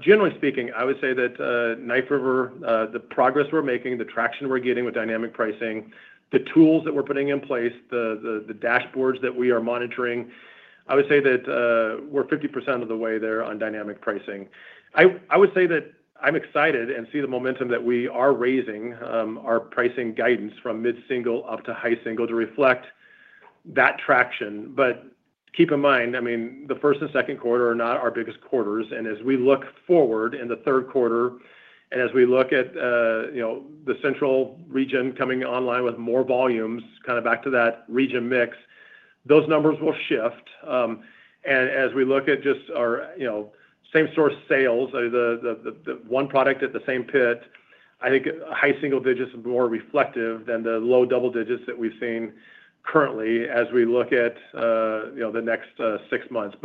Generally speaking, I would say that Knife River, the progress we're making, the traction we're getting with dynamic pricing, the tools that we're putting in place, the dashboards that we are monitoring, I would say that we're 50% of the way there on dynamic pricing. I would say that I'm excited and see the momentum that we are raising our pricing guidance from mid single up to high single to reflect that traction. Keep in mind, the first and second quarter are not our biggest quarters. As we look forward in the third quarter and as we look at the Central region coming online with more volumes, kind of back to that region mix, those numbers will shift. As we look at just our same source sales, the one product at the same pit, I think high single digits are more reflective than the low double digits that we've seen currently as we look at the next six months.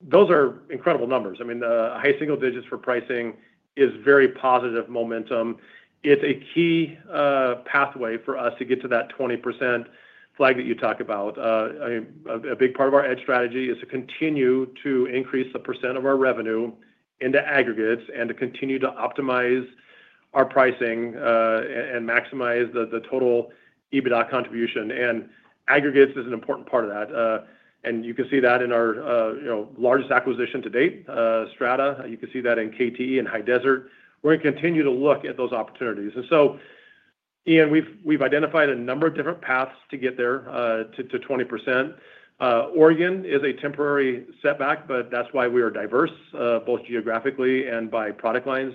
Those are incredible numbers. High single digits for pricing is very positive momentum. It's a key pathway for us to get to that 20% flag that you talk about. A big part of our EDGE strategy is to continue to increase the percent of our revenue into aggregates and to continue to optimize our pricing and maximize the total EBITDA contribution and aggregates is an important part of that. You can see that in our largest acquisition to date, Strata. You can see that in KT and High Desert. We're going to continue to look at those opportunities. Ian, we've identified a number of different paths to get there to 20%. Oregon is a temporary setback, but that's why we are diverse both geographically and by product lines.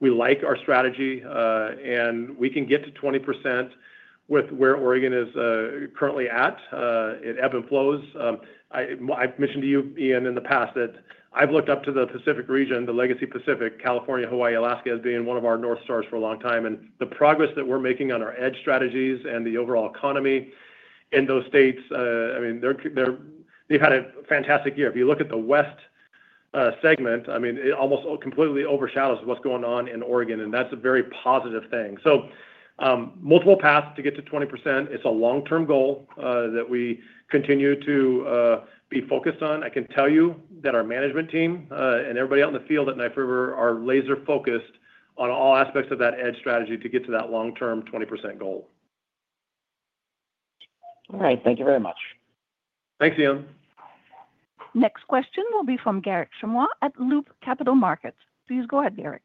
We like our strategy and we can get to 20% with where Oregon is currently at. It ebbs and flows. I mentioned to you, Ian, in the past that I've looked up to the Pacific region, the legacy Pacific, California, Hawaii, Alaska as being one of our north stars for a long time. The progress that we're making on our EDGE strategy and the overall economy in those states, they've had a fantastic year. If you look at the West segment, it almost completely overshadows what's going on in Oregon and that's a very positive thing. Multiple paths to get to 20% is a long-term goal that we continue to be focused on. I can tell you that our management team and everybody out in the field at Knife River are laser focused on all aspects of that EDGE strategy to get to that long-term 20% goal.
All right, thank you very much.
Thanks, Ian.
Next question will be from Garik Shmois at Loop Capital Markets. Please go ahead. Garik.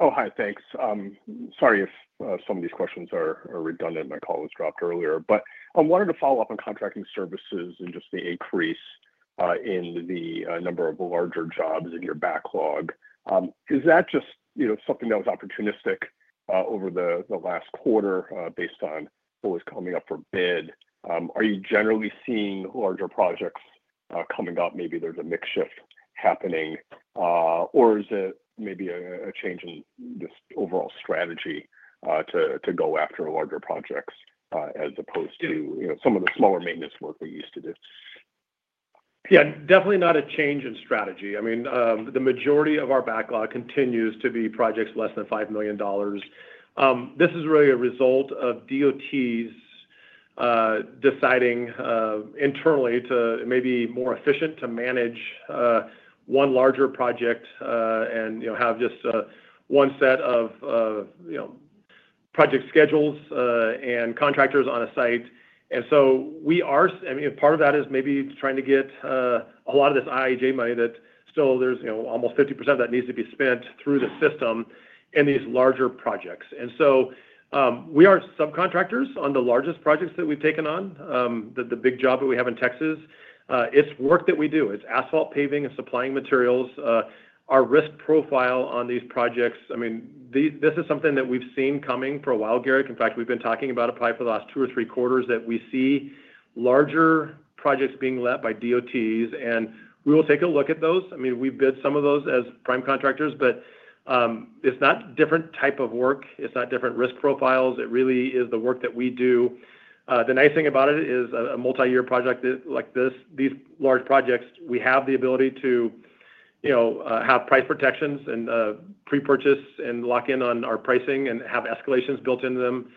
Oh, hi. Thanks. Sorry if some of these questions are redundant. My call was dropped earlier, but I wanted to follow up on contracting services. Just the increase in the number of larger jobs in your backlog, is that just something that was opportunistic over the last quarter based on what was coming up for bid? Are you generally seeing larger projects coming up? Maybe there's a mix shift happening, or is it maybe a change in just overall strategy to go after larger projects as opposed to, you know, some of the smaller maintenance work they used to do?
Yeah, definitely not a change in strategy. I mean, the majority of our backlog continues to be projects less than $5 million. This is really a result of DOTs deciding internally to maybe be more efficient to manage one larger project and, you know, have just one set of, you know, project schedules and contractors on a site. We are, I mean, part of that is maybe trying to get a lot of this IHA that still there's, you know, almost 50% that needs to be spent through the system in these larger projects. We are subcontractors on the largest projects that we've taken on. The big job that we have in Texas, it's work that we do, it's asphalt paving and supplying materials. Our risk profile on these projects, I mean this is something that we've seen coming for a while, Garik. In fact, we've been talking about it probably for the last two or three quarters that we see larger projects being let by DOTs and we will take. A look at those. I mean, we bid some of those as prime contractors, but it's not different type of work, it's not different risk profiles. It really is the work that we do. The nice thing about it is a multi-year project like this. These projects, large projects, we have the ability to have price protections and pre-purchase and lock in on our pricing and have escalations built into them.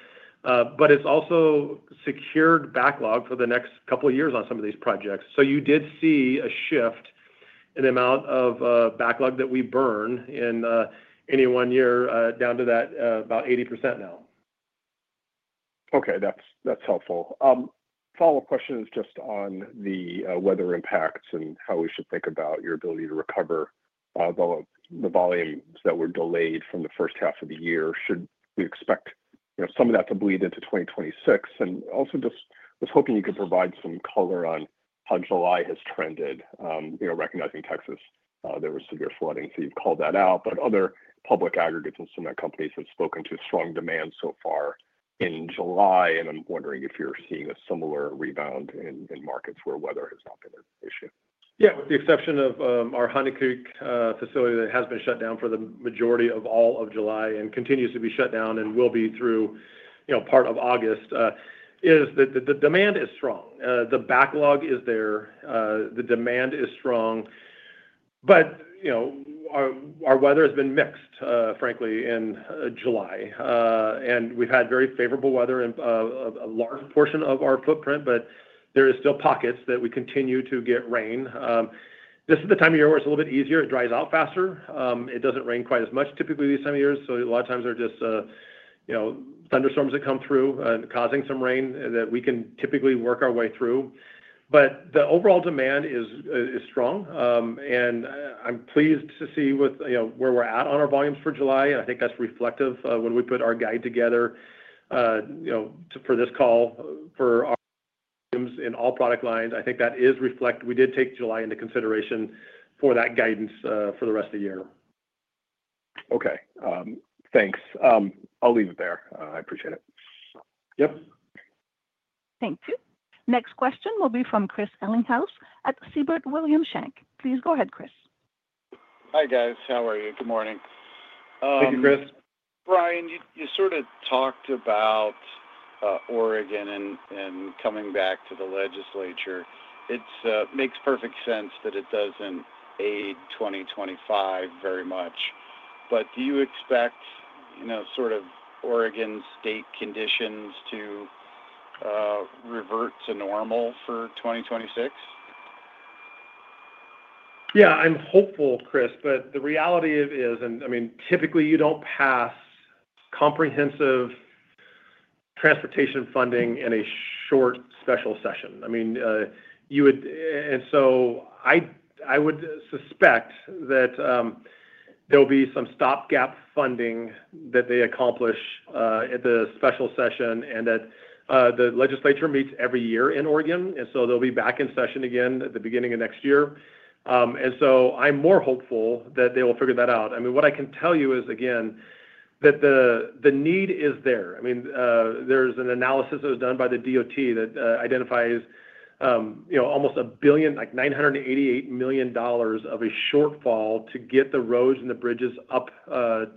It's also secured backlog for the next couple of years on some of these projects. You did see a shift in the amount of backlog that we burn in any one year down to that, about 80% now.
Okay, that's helpful. Follow up question is just on the weather impacts and how we should think about your ability to recover the volumes that were delayed from the first half of the year. Should we expect some of that to bleed into 2026? I was hoping you could provide some color on how July has trended. Recognizing Texas, there was severe flooding, so you've called that out. Other public aggregates and some companies have spoken to strong demand so far in July I'm wondering if you're seeing a similar rebound in markets where weather has not been an issue.
Yeah. With the exception of our Honey Creek facility that has been shut down for the majority of all of July and continues to be shut down and will be through part of August, the demand is strong, the backlog is there, the demand is strong. Our weather has been mixed, frankly, in July and we've had very favorable weather in a portion of our footprint. There are still pockets that continue to get rain. This is the time of year where it's a little bit easier, it dries out faster. It doesn't rain quite as much typically this time of year. A lot of times they're just, you know, thunderstorms that come through causing some rain that we can typically work our way through. The overall demand is strong and I'm pleased to see with, you know. Where we're at on our volumes for July. I think that's reflective when we put our guide together, you know, for this call for in all product lines. I think that is reflect. We did take July into consideration for that guidance for the rest of the year.
Okay, thanks. I'll leave it there. I appreciate it.
Yep.
Thank you. Next question will be from Chris Ellinghaus at Siebert William Shank. Please go ahead, Chris.
Hi, guys. How are you? Good morning. Brian, you sort of talked about Oregon and coming back to the legislature. It makes perfect sense that it doesn't aid 2025 very much. Do you expect, you know, sort of Oregon state conditions to revert to normal for 2026?
Yeah, I'm hopeful, Chris, but the reality is, typically you don't pass comprehensive transportation funding in a short special session. I would suspect that there'll be some stopgap funding that they accomplish at the special session and that the legislature meets every year in Oregon. They'll be back in session again at the beginning of next year. I'm more hopeful that they will figure that out. What I can tell you is, again, that the need is there. There's an analysis that was done by the DOT that identifies almost $988 million of a shortfall to get the roads and the bridges up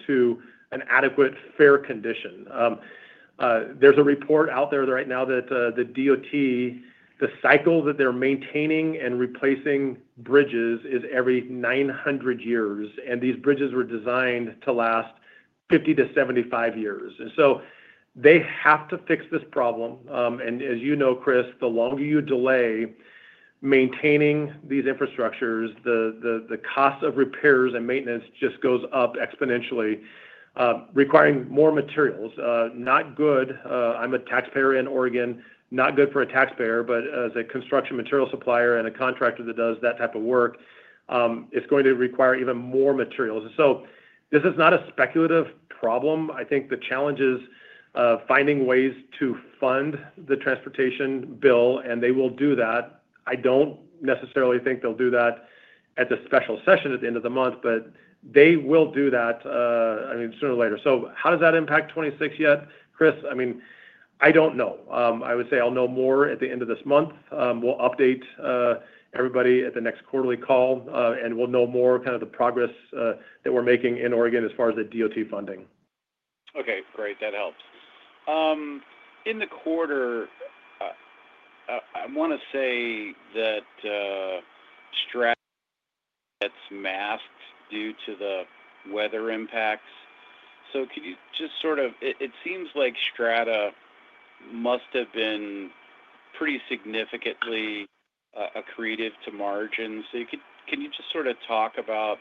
to an adequate, fair condition. There's a report out there right now that the DOT, the cycle that they're maintaining and replacing bridges is every 900 years. These bridges were designed to last 50-75 years. They have to fix this problem. As you know, Chris, the longer you delay maintaining these infrastructures, the cost of repairs and maintenance just goes up exponentially, requiring more materials. Not good. I'm a taxpayer in Oregon. Not good for a taxpayer. As a construction material supplier and a contractor that does that type of work, it's going to require even more materials. This is not a speculative problem. I think the challenge is finding ways to fund the transportation bill. They will do that. I don't necessarily think they'll do that at the special session at the end of the month, but they will do that sooner or later. How does that impact 2026 yet, Chris? I don't know. I would say I'll know more at the end of this month. We'll update everybody at the next quarterly call, and we'll know more. Kind of the progress that we're making in Oregon as far as the DOT funding.
Okay, great. That helps in the quarter. I want to say that math due to the weather impacts. Can you just sort of. It seems like Strata must have been pretty significantly accretive to margins. Can you just sort of talk about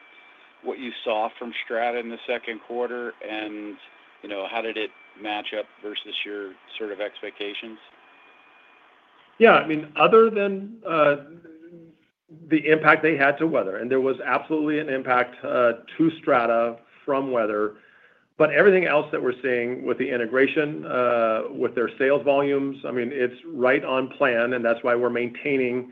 what you saw from Strata in the second quarter, and how did it match up versus your sort of expectations?
Yeah, I mean, other than the impact. They had to weather, and there was absolutely an impact to Strata from weather, but everything else that we're seeing with the integration, with their sales volumes, it's right on plan. That's why we're maintaining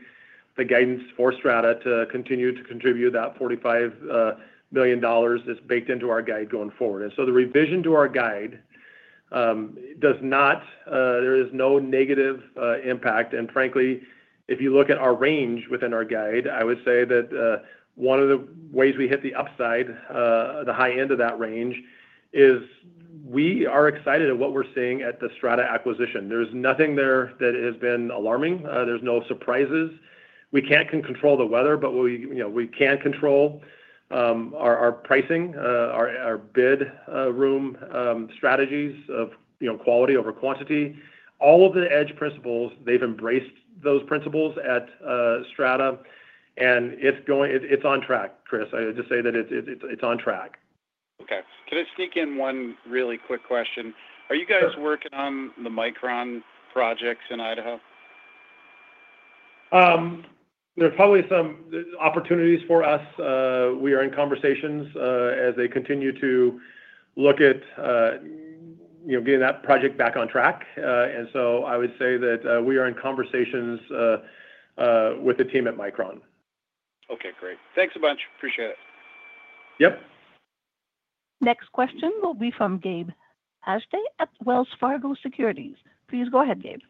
the guidance for Strata to continue to contribute that $45 million that's baked into our guide going forward. The revision to our guide does not. There is no negative impact. Frankly, if you look at our range within our guide, I would say that one of the ways we hit the upside, the high end of that range, is we are excited at what we're seeing at the Strata acquisition. There's nothing there that has been alarming. There's no surprises. We can't control the weather, but we can control our pricing, our bid room strategies of quality over quantity, all of the EDGE principles. They've embraced those principles at Strata. It's on track, Chris. I just say that it's on track.
Okay. Can I sneak in one really quick question? Are you guys working on the Micron projects in Idaho?
There's probably some opportunities for us. We are in conversations as they continue to look at, you know, getting that project back on track. I would say that we are in conversations with the team at Micron.
Okay, great. Thanks a bunch.. Appreciate it.
Yep.
Next question will be from Gabe Hajde at Wells Fargo Securities. Please go ahead, Gabe.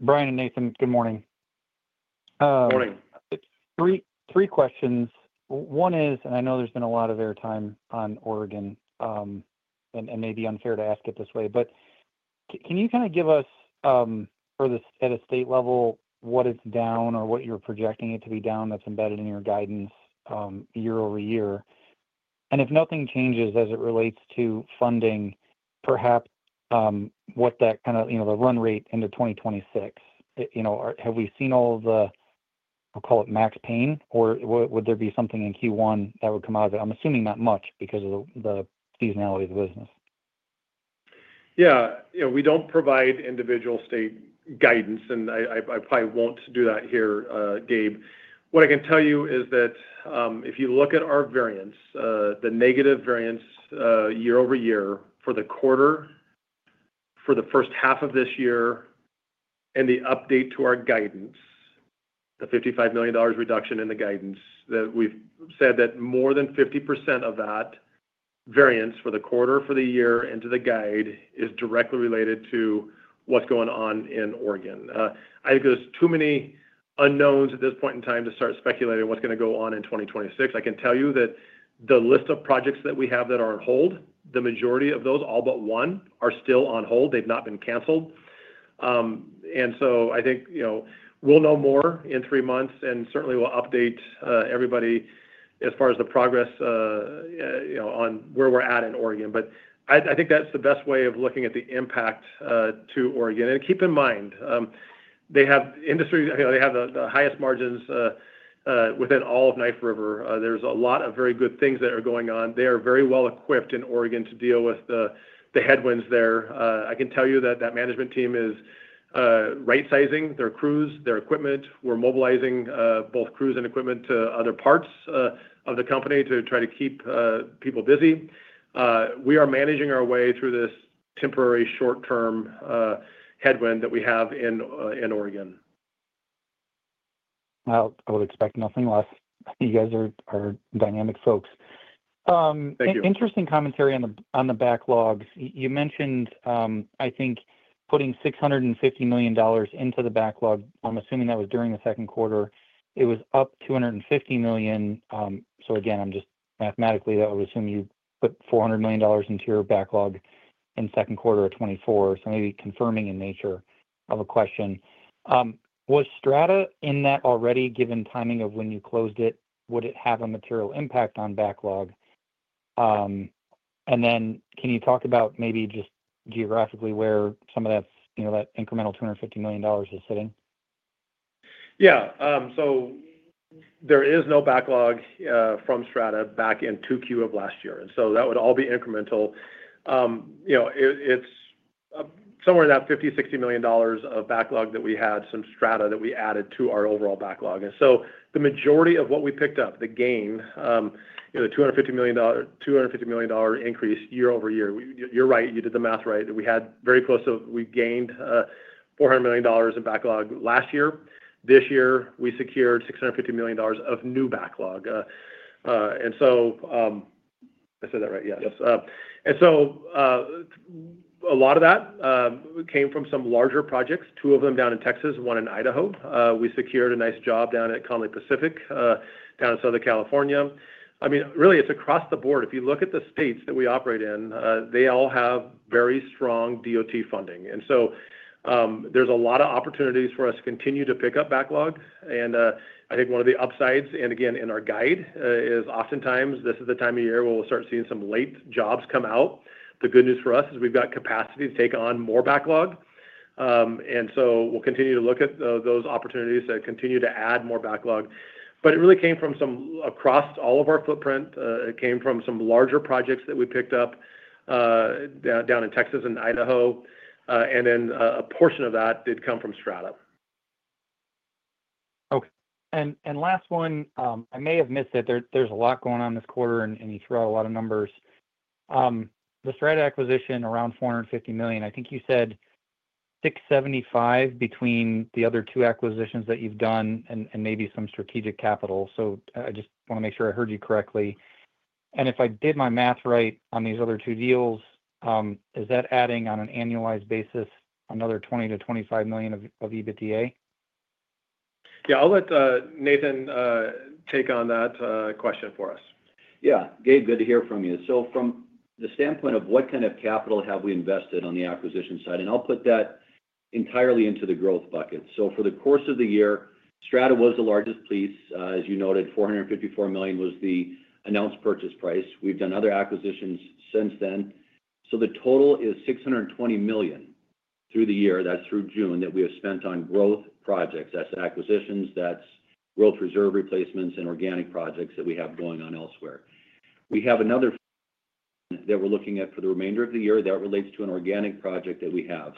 Brian and Nathan, good morning.
Morning.
Three questions. One is, and I know there's been a lot of airtime on Oregon, and maybe unfair to ask it this way. Can you kind of give us at a state level, what it's down or what you're projecting it to be down, that's embedded in your guidance year-over-year. If nothing changes as it relates to funding, perhaps what that kind of, you know, the run rate into 2026, you know, have we seen all the, we'll call it max pain, or would there be something in Q1 that would come out of it? I'm assuming not much because of the seasonality of the business.
Yeah, you know, we don't provide individual state guidance and I probably won't do that here, Gabe, what I can tell you is that if you look at our variance, the negative variance year-over-year for the quarter for the first half of this year and the update to our guidance, the $55 million reduction in the guidance that we've said that more than 50% of that variance for the quarter for the year into the guide is directly related to what's going on in Oregon. I think there's too many unknowns at this point in time to start speculating what's going to go on in 2026. I can tell you that the list of projects that we have that are on hold, the majority of those, all but one, are still on hold. They've not been canceled. I think we'll know more in three months and certainly we'll update everybody as far as the progress on where we're at in Oregon. I think that's the best way of looking at the impact to Oregon. Keep in mind they have industry, they have the highest margins within all of Knife River. There's a lot of very good things that are going on. They are very well equipped in Oregon to deal with the headwinds there. I can tell you that that management team is right sizing their crews, their equipment. We're mobilizing both crews and equipment to other parts of the company to try to keep people busy. We are managing our way through this temporary short-term headwind that we have in Oregon.
I would expect nothing less. You guys are dynamic folks. Interesting commentary on the backlogs you mentioned. I think putting $650 million into the backlog, I'm assuming that was during the second quarter. It was up $250 million. I'm just mathematically that would assume you put $400 million into your backlog in the second quarter of 2024. Maybe confirming in nature of a question, was Strata in that already, given timing of when you closed it, would it have a material impact on backlog? Can you talk about maybe just geographically where some of that incremental $250 million is sitting?
Yeah. There is no backlog from Strata back in 2Q of last year, so that would all be incremental. It's somewhere in that $50 million, $60 million of backlog that we had from Strata that we added to our overall backlog. The majority of what we picked up, the gain, the $250 million, $250 million increase year-over-year. You're right. You did the math right, that we had very close to. We gained $400 million in backlog last year. This year, we secured $650 million of new backlog. I said that right? Yes. A lot of that came from some larger projects, two of them down in Texas, one in Idaho. We secured a nice job down at Conley Pacific down in Southern California. I mean, really, it's across the board. If you look at the states that we operate in, they all have very strong DOT funding. There's a lot of opportunities for us to continue to pick up backlog. I think one of the upsides, and again in our guide, is oftentimes this is the time of year where we'll start seeing some late jobs come out. The good news for us is we've got capacity to take on more backlog. We'll continue to look at those opportunities that continue to add more backlog. It really came from, across all of our footprint, it came from some larger projects that we picked up down in Texas and Idaho. A portion of that did come from Strata.
Okay, and last one, I may have missed it. There's a lot going on this quarter, and you throw out a lot of numbers. The Strata acquisition, around $450 million. I think you said $675 million between the other two acquisitions that you've done and maybe some strategic capital. I just want to make sure. I heard you correctly. If I did my math right on these other two deals, is that adding, on an annualized basis, another $20 million-$25 million of EBITDA?
Yeah, I'll let Nathan take on that question for us.
Yeah, Gabe, good to hear from you. From the standpoint of what kind of capital have we invested on the acquisition side? I'll put that entirely into the growth bucket. For the course of the year, Strata was the largest piece, as you noted, $454 million was the announced purchase price. We've done other acquisitions since then. The total is $620 million through the year, that's through June, that we have spent on growth projects. That's acquisitions, that's growth reserve replacements, and organic projects that we have going on elsewhere. We have another that we're looking at for the remainder of the year that relates to an organic project that we have.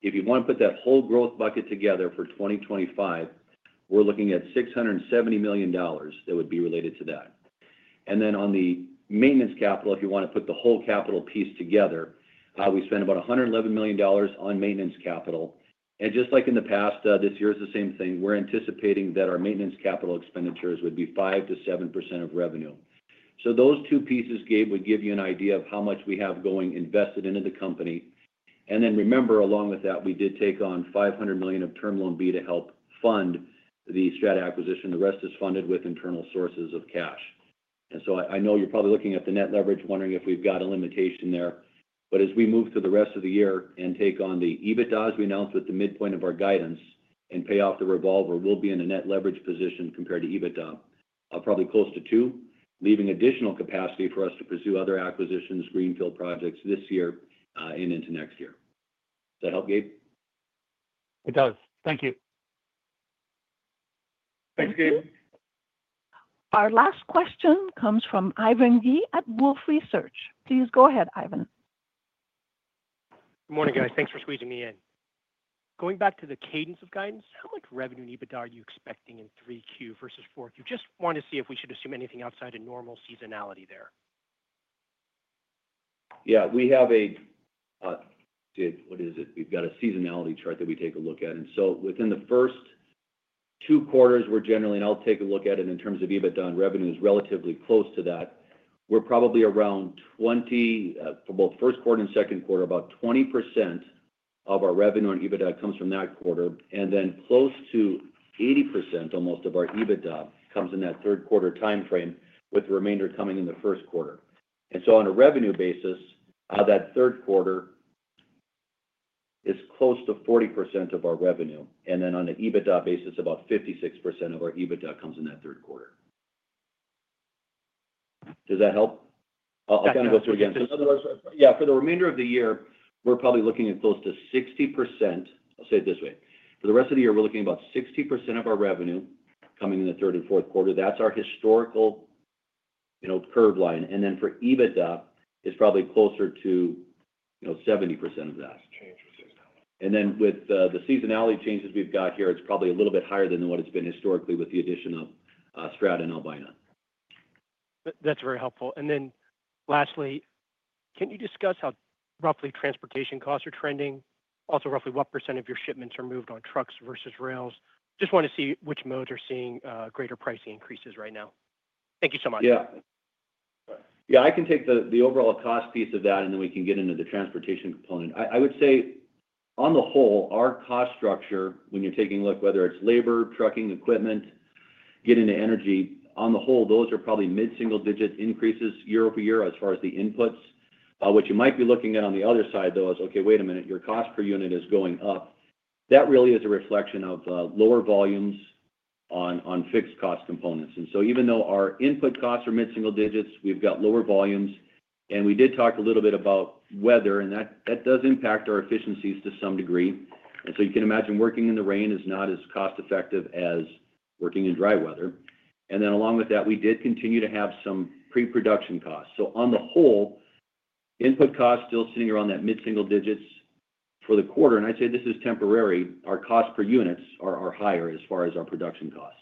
If you want to put that whole growth bucket together for 2025, we're looking at $670 million. That would be related to that. On the maintenance capital, if you want to put the whole capital piece together, we spend about $111 million on maintenance capital. Just like in the past, this year is the same thing. We're anticipating that our maintenance capital expenditures would be 5%-7% of revenue. Those two pieces, Gabe, would give you an idea of how much we have going invested into the company. Remember, along with that, we did take on $500 million of term loan B to help fund the Strata acquisition. The rest is funded with internal sources of cash. I know you're probably looking at the net leverage, wondering if we've got a limitation there. As we move through the rest of the year and take on the EBITDA, as we announced with the midpoint of our guidance and pay off the revolver, we'll be in a net leverage position compared to EBITDA, probably close to two, leaving additional capacity for us to pursue other acquisitions, greenfield projects this year and into next year. Does that help, Gabe?
It does. Thank you.
Thanks, Gabe.
Our last question comes from Ivan Yi at Wolfe Research. Please go ahead, Ivan.
Good morning, guys. Thanks for squeezing me in. Going back to the cadence of guidance, how much revenue and EBITDA are you expecting in 3Q vs 4Q? Just want to see if we should assume anything outside of normal seasonality there.
Yeah, we have a seasonality chart that we take a look at. Within the first two quarters, we're generally, and I'll take a look at it in terms of EBITDA and revenue is relatively close to that. We're probably around 20% for both first quarter and second quarter, about 20% of our revenue and EBITDA comes from that quarter. Close to 80% almost of our EBITDA comes in that third quarter time frame, with the remainder coming in the fourth quarter. On a revenue basis, that third quarter is close to 40% of our revenue. On an EBITDA basis, about 56% of our EBITDA comes in that third quarter. Does that help? I'll kind of go through again.
Yeah.
For the remainder of the year, we're probably looking at close to 60%. I'll say it this way, for the rest of the year, we're looking at about 60% of our revenue coming in the third and fourth quarter. That's our historical, you know, curve line. For EBITDA, it's probably closer to, you know, 70% of that. With the seasonality changes we've got here, it's probably a little bit higher than what it's been historically with the addition of Strata and Albina.
That's very helpful. Lastly, can you discuss how roughly transportation costs are trending, also roughly what percentage of your shipments are moved on trucks versus rails? I just want to see which modes are seeing greater pricing increases right now. Thank you so much.
Yeah, I can take the, the. Overall cost piece of that and then we can get into the transportation component. I would say on the whole, our cost structure, when you're taking a look, whether it's labor, trucking, equipment, get into energy, on the whole those are probably mid single digit increases year-over-year as far as the inputs. What you might be looking at on the other side though is okay, wait a minute, your cost per unit is going up. That really is a reflection of lower volumes on fixed cost components. Even though our input costs are mid single digits, we've got lower volumes. We did talk a little bit about weather and that does impact our efficiencies to some degree. You can imagine working in the rain is not as cost effective as working in dry weather. Along with that, we did continue to have some pre-production costs. On the whole, input costs still sitting around that mid single digits for the quarter. I'd say this is temporary. Our cost per units are higher as far as our production costs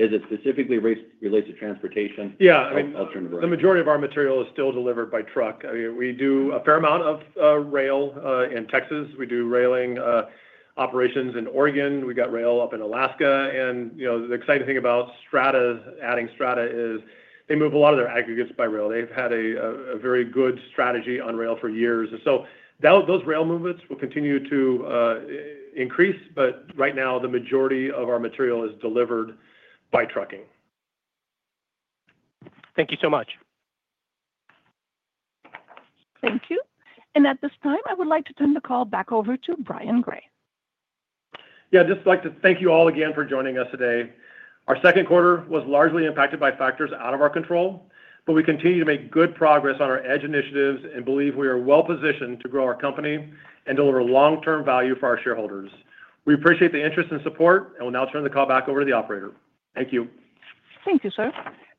as it specifically relates to transportation.
Yeah, the majority of our material is still delivered by truck. We do a fair amount of rail in Texas, we do rail operations in Oregon, we got rail up in Alaska. The exciting thing about adding Strata is they move a lot of their aggregates by rail. They've had a very good strategy on rail for years. Those rail movements will continue to increase. Right now the majority of our material is delivered by trucking.
Thank you so much.
Thank you. At this time I would like to turn the call back over to Brian Gray.
Yeah, just like to thank you all again for joining us today. Our second quarter was largely impacted by factors out of our control, but we continue to make good progress on our EDGE initiatives and believe we are well positioned to grow our company and deliver long-term value for our shareholders. We appreciate the interest and support. Will now turn the call back over to the operator. Thank you.
Thank you, sir.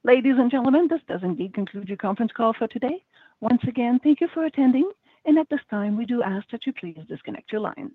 Ladies and gentlemen, this does indeed conclude your conference call for today. Once again, thank you for attending, and at this time we do ask that you please disconnect your line.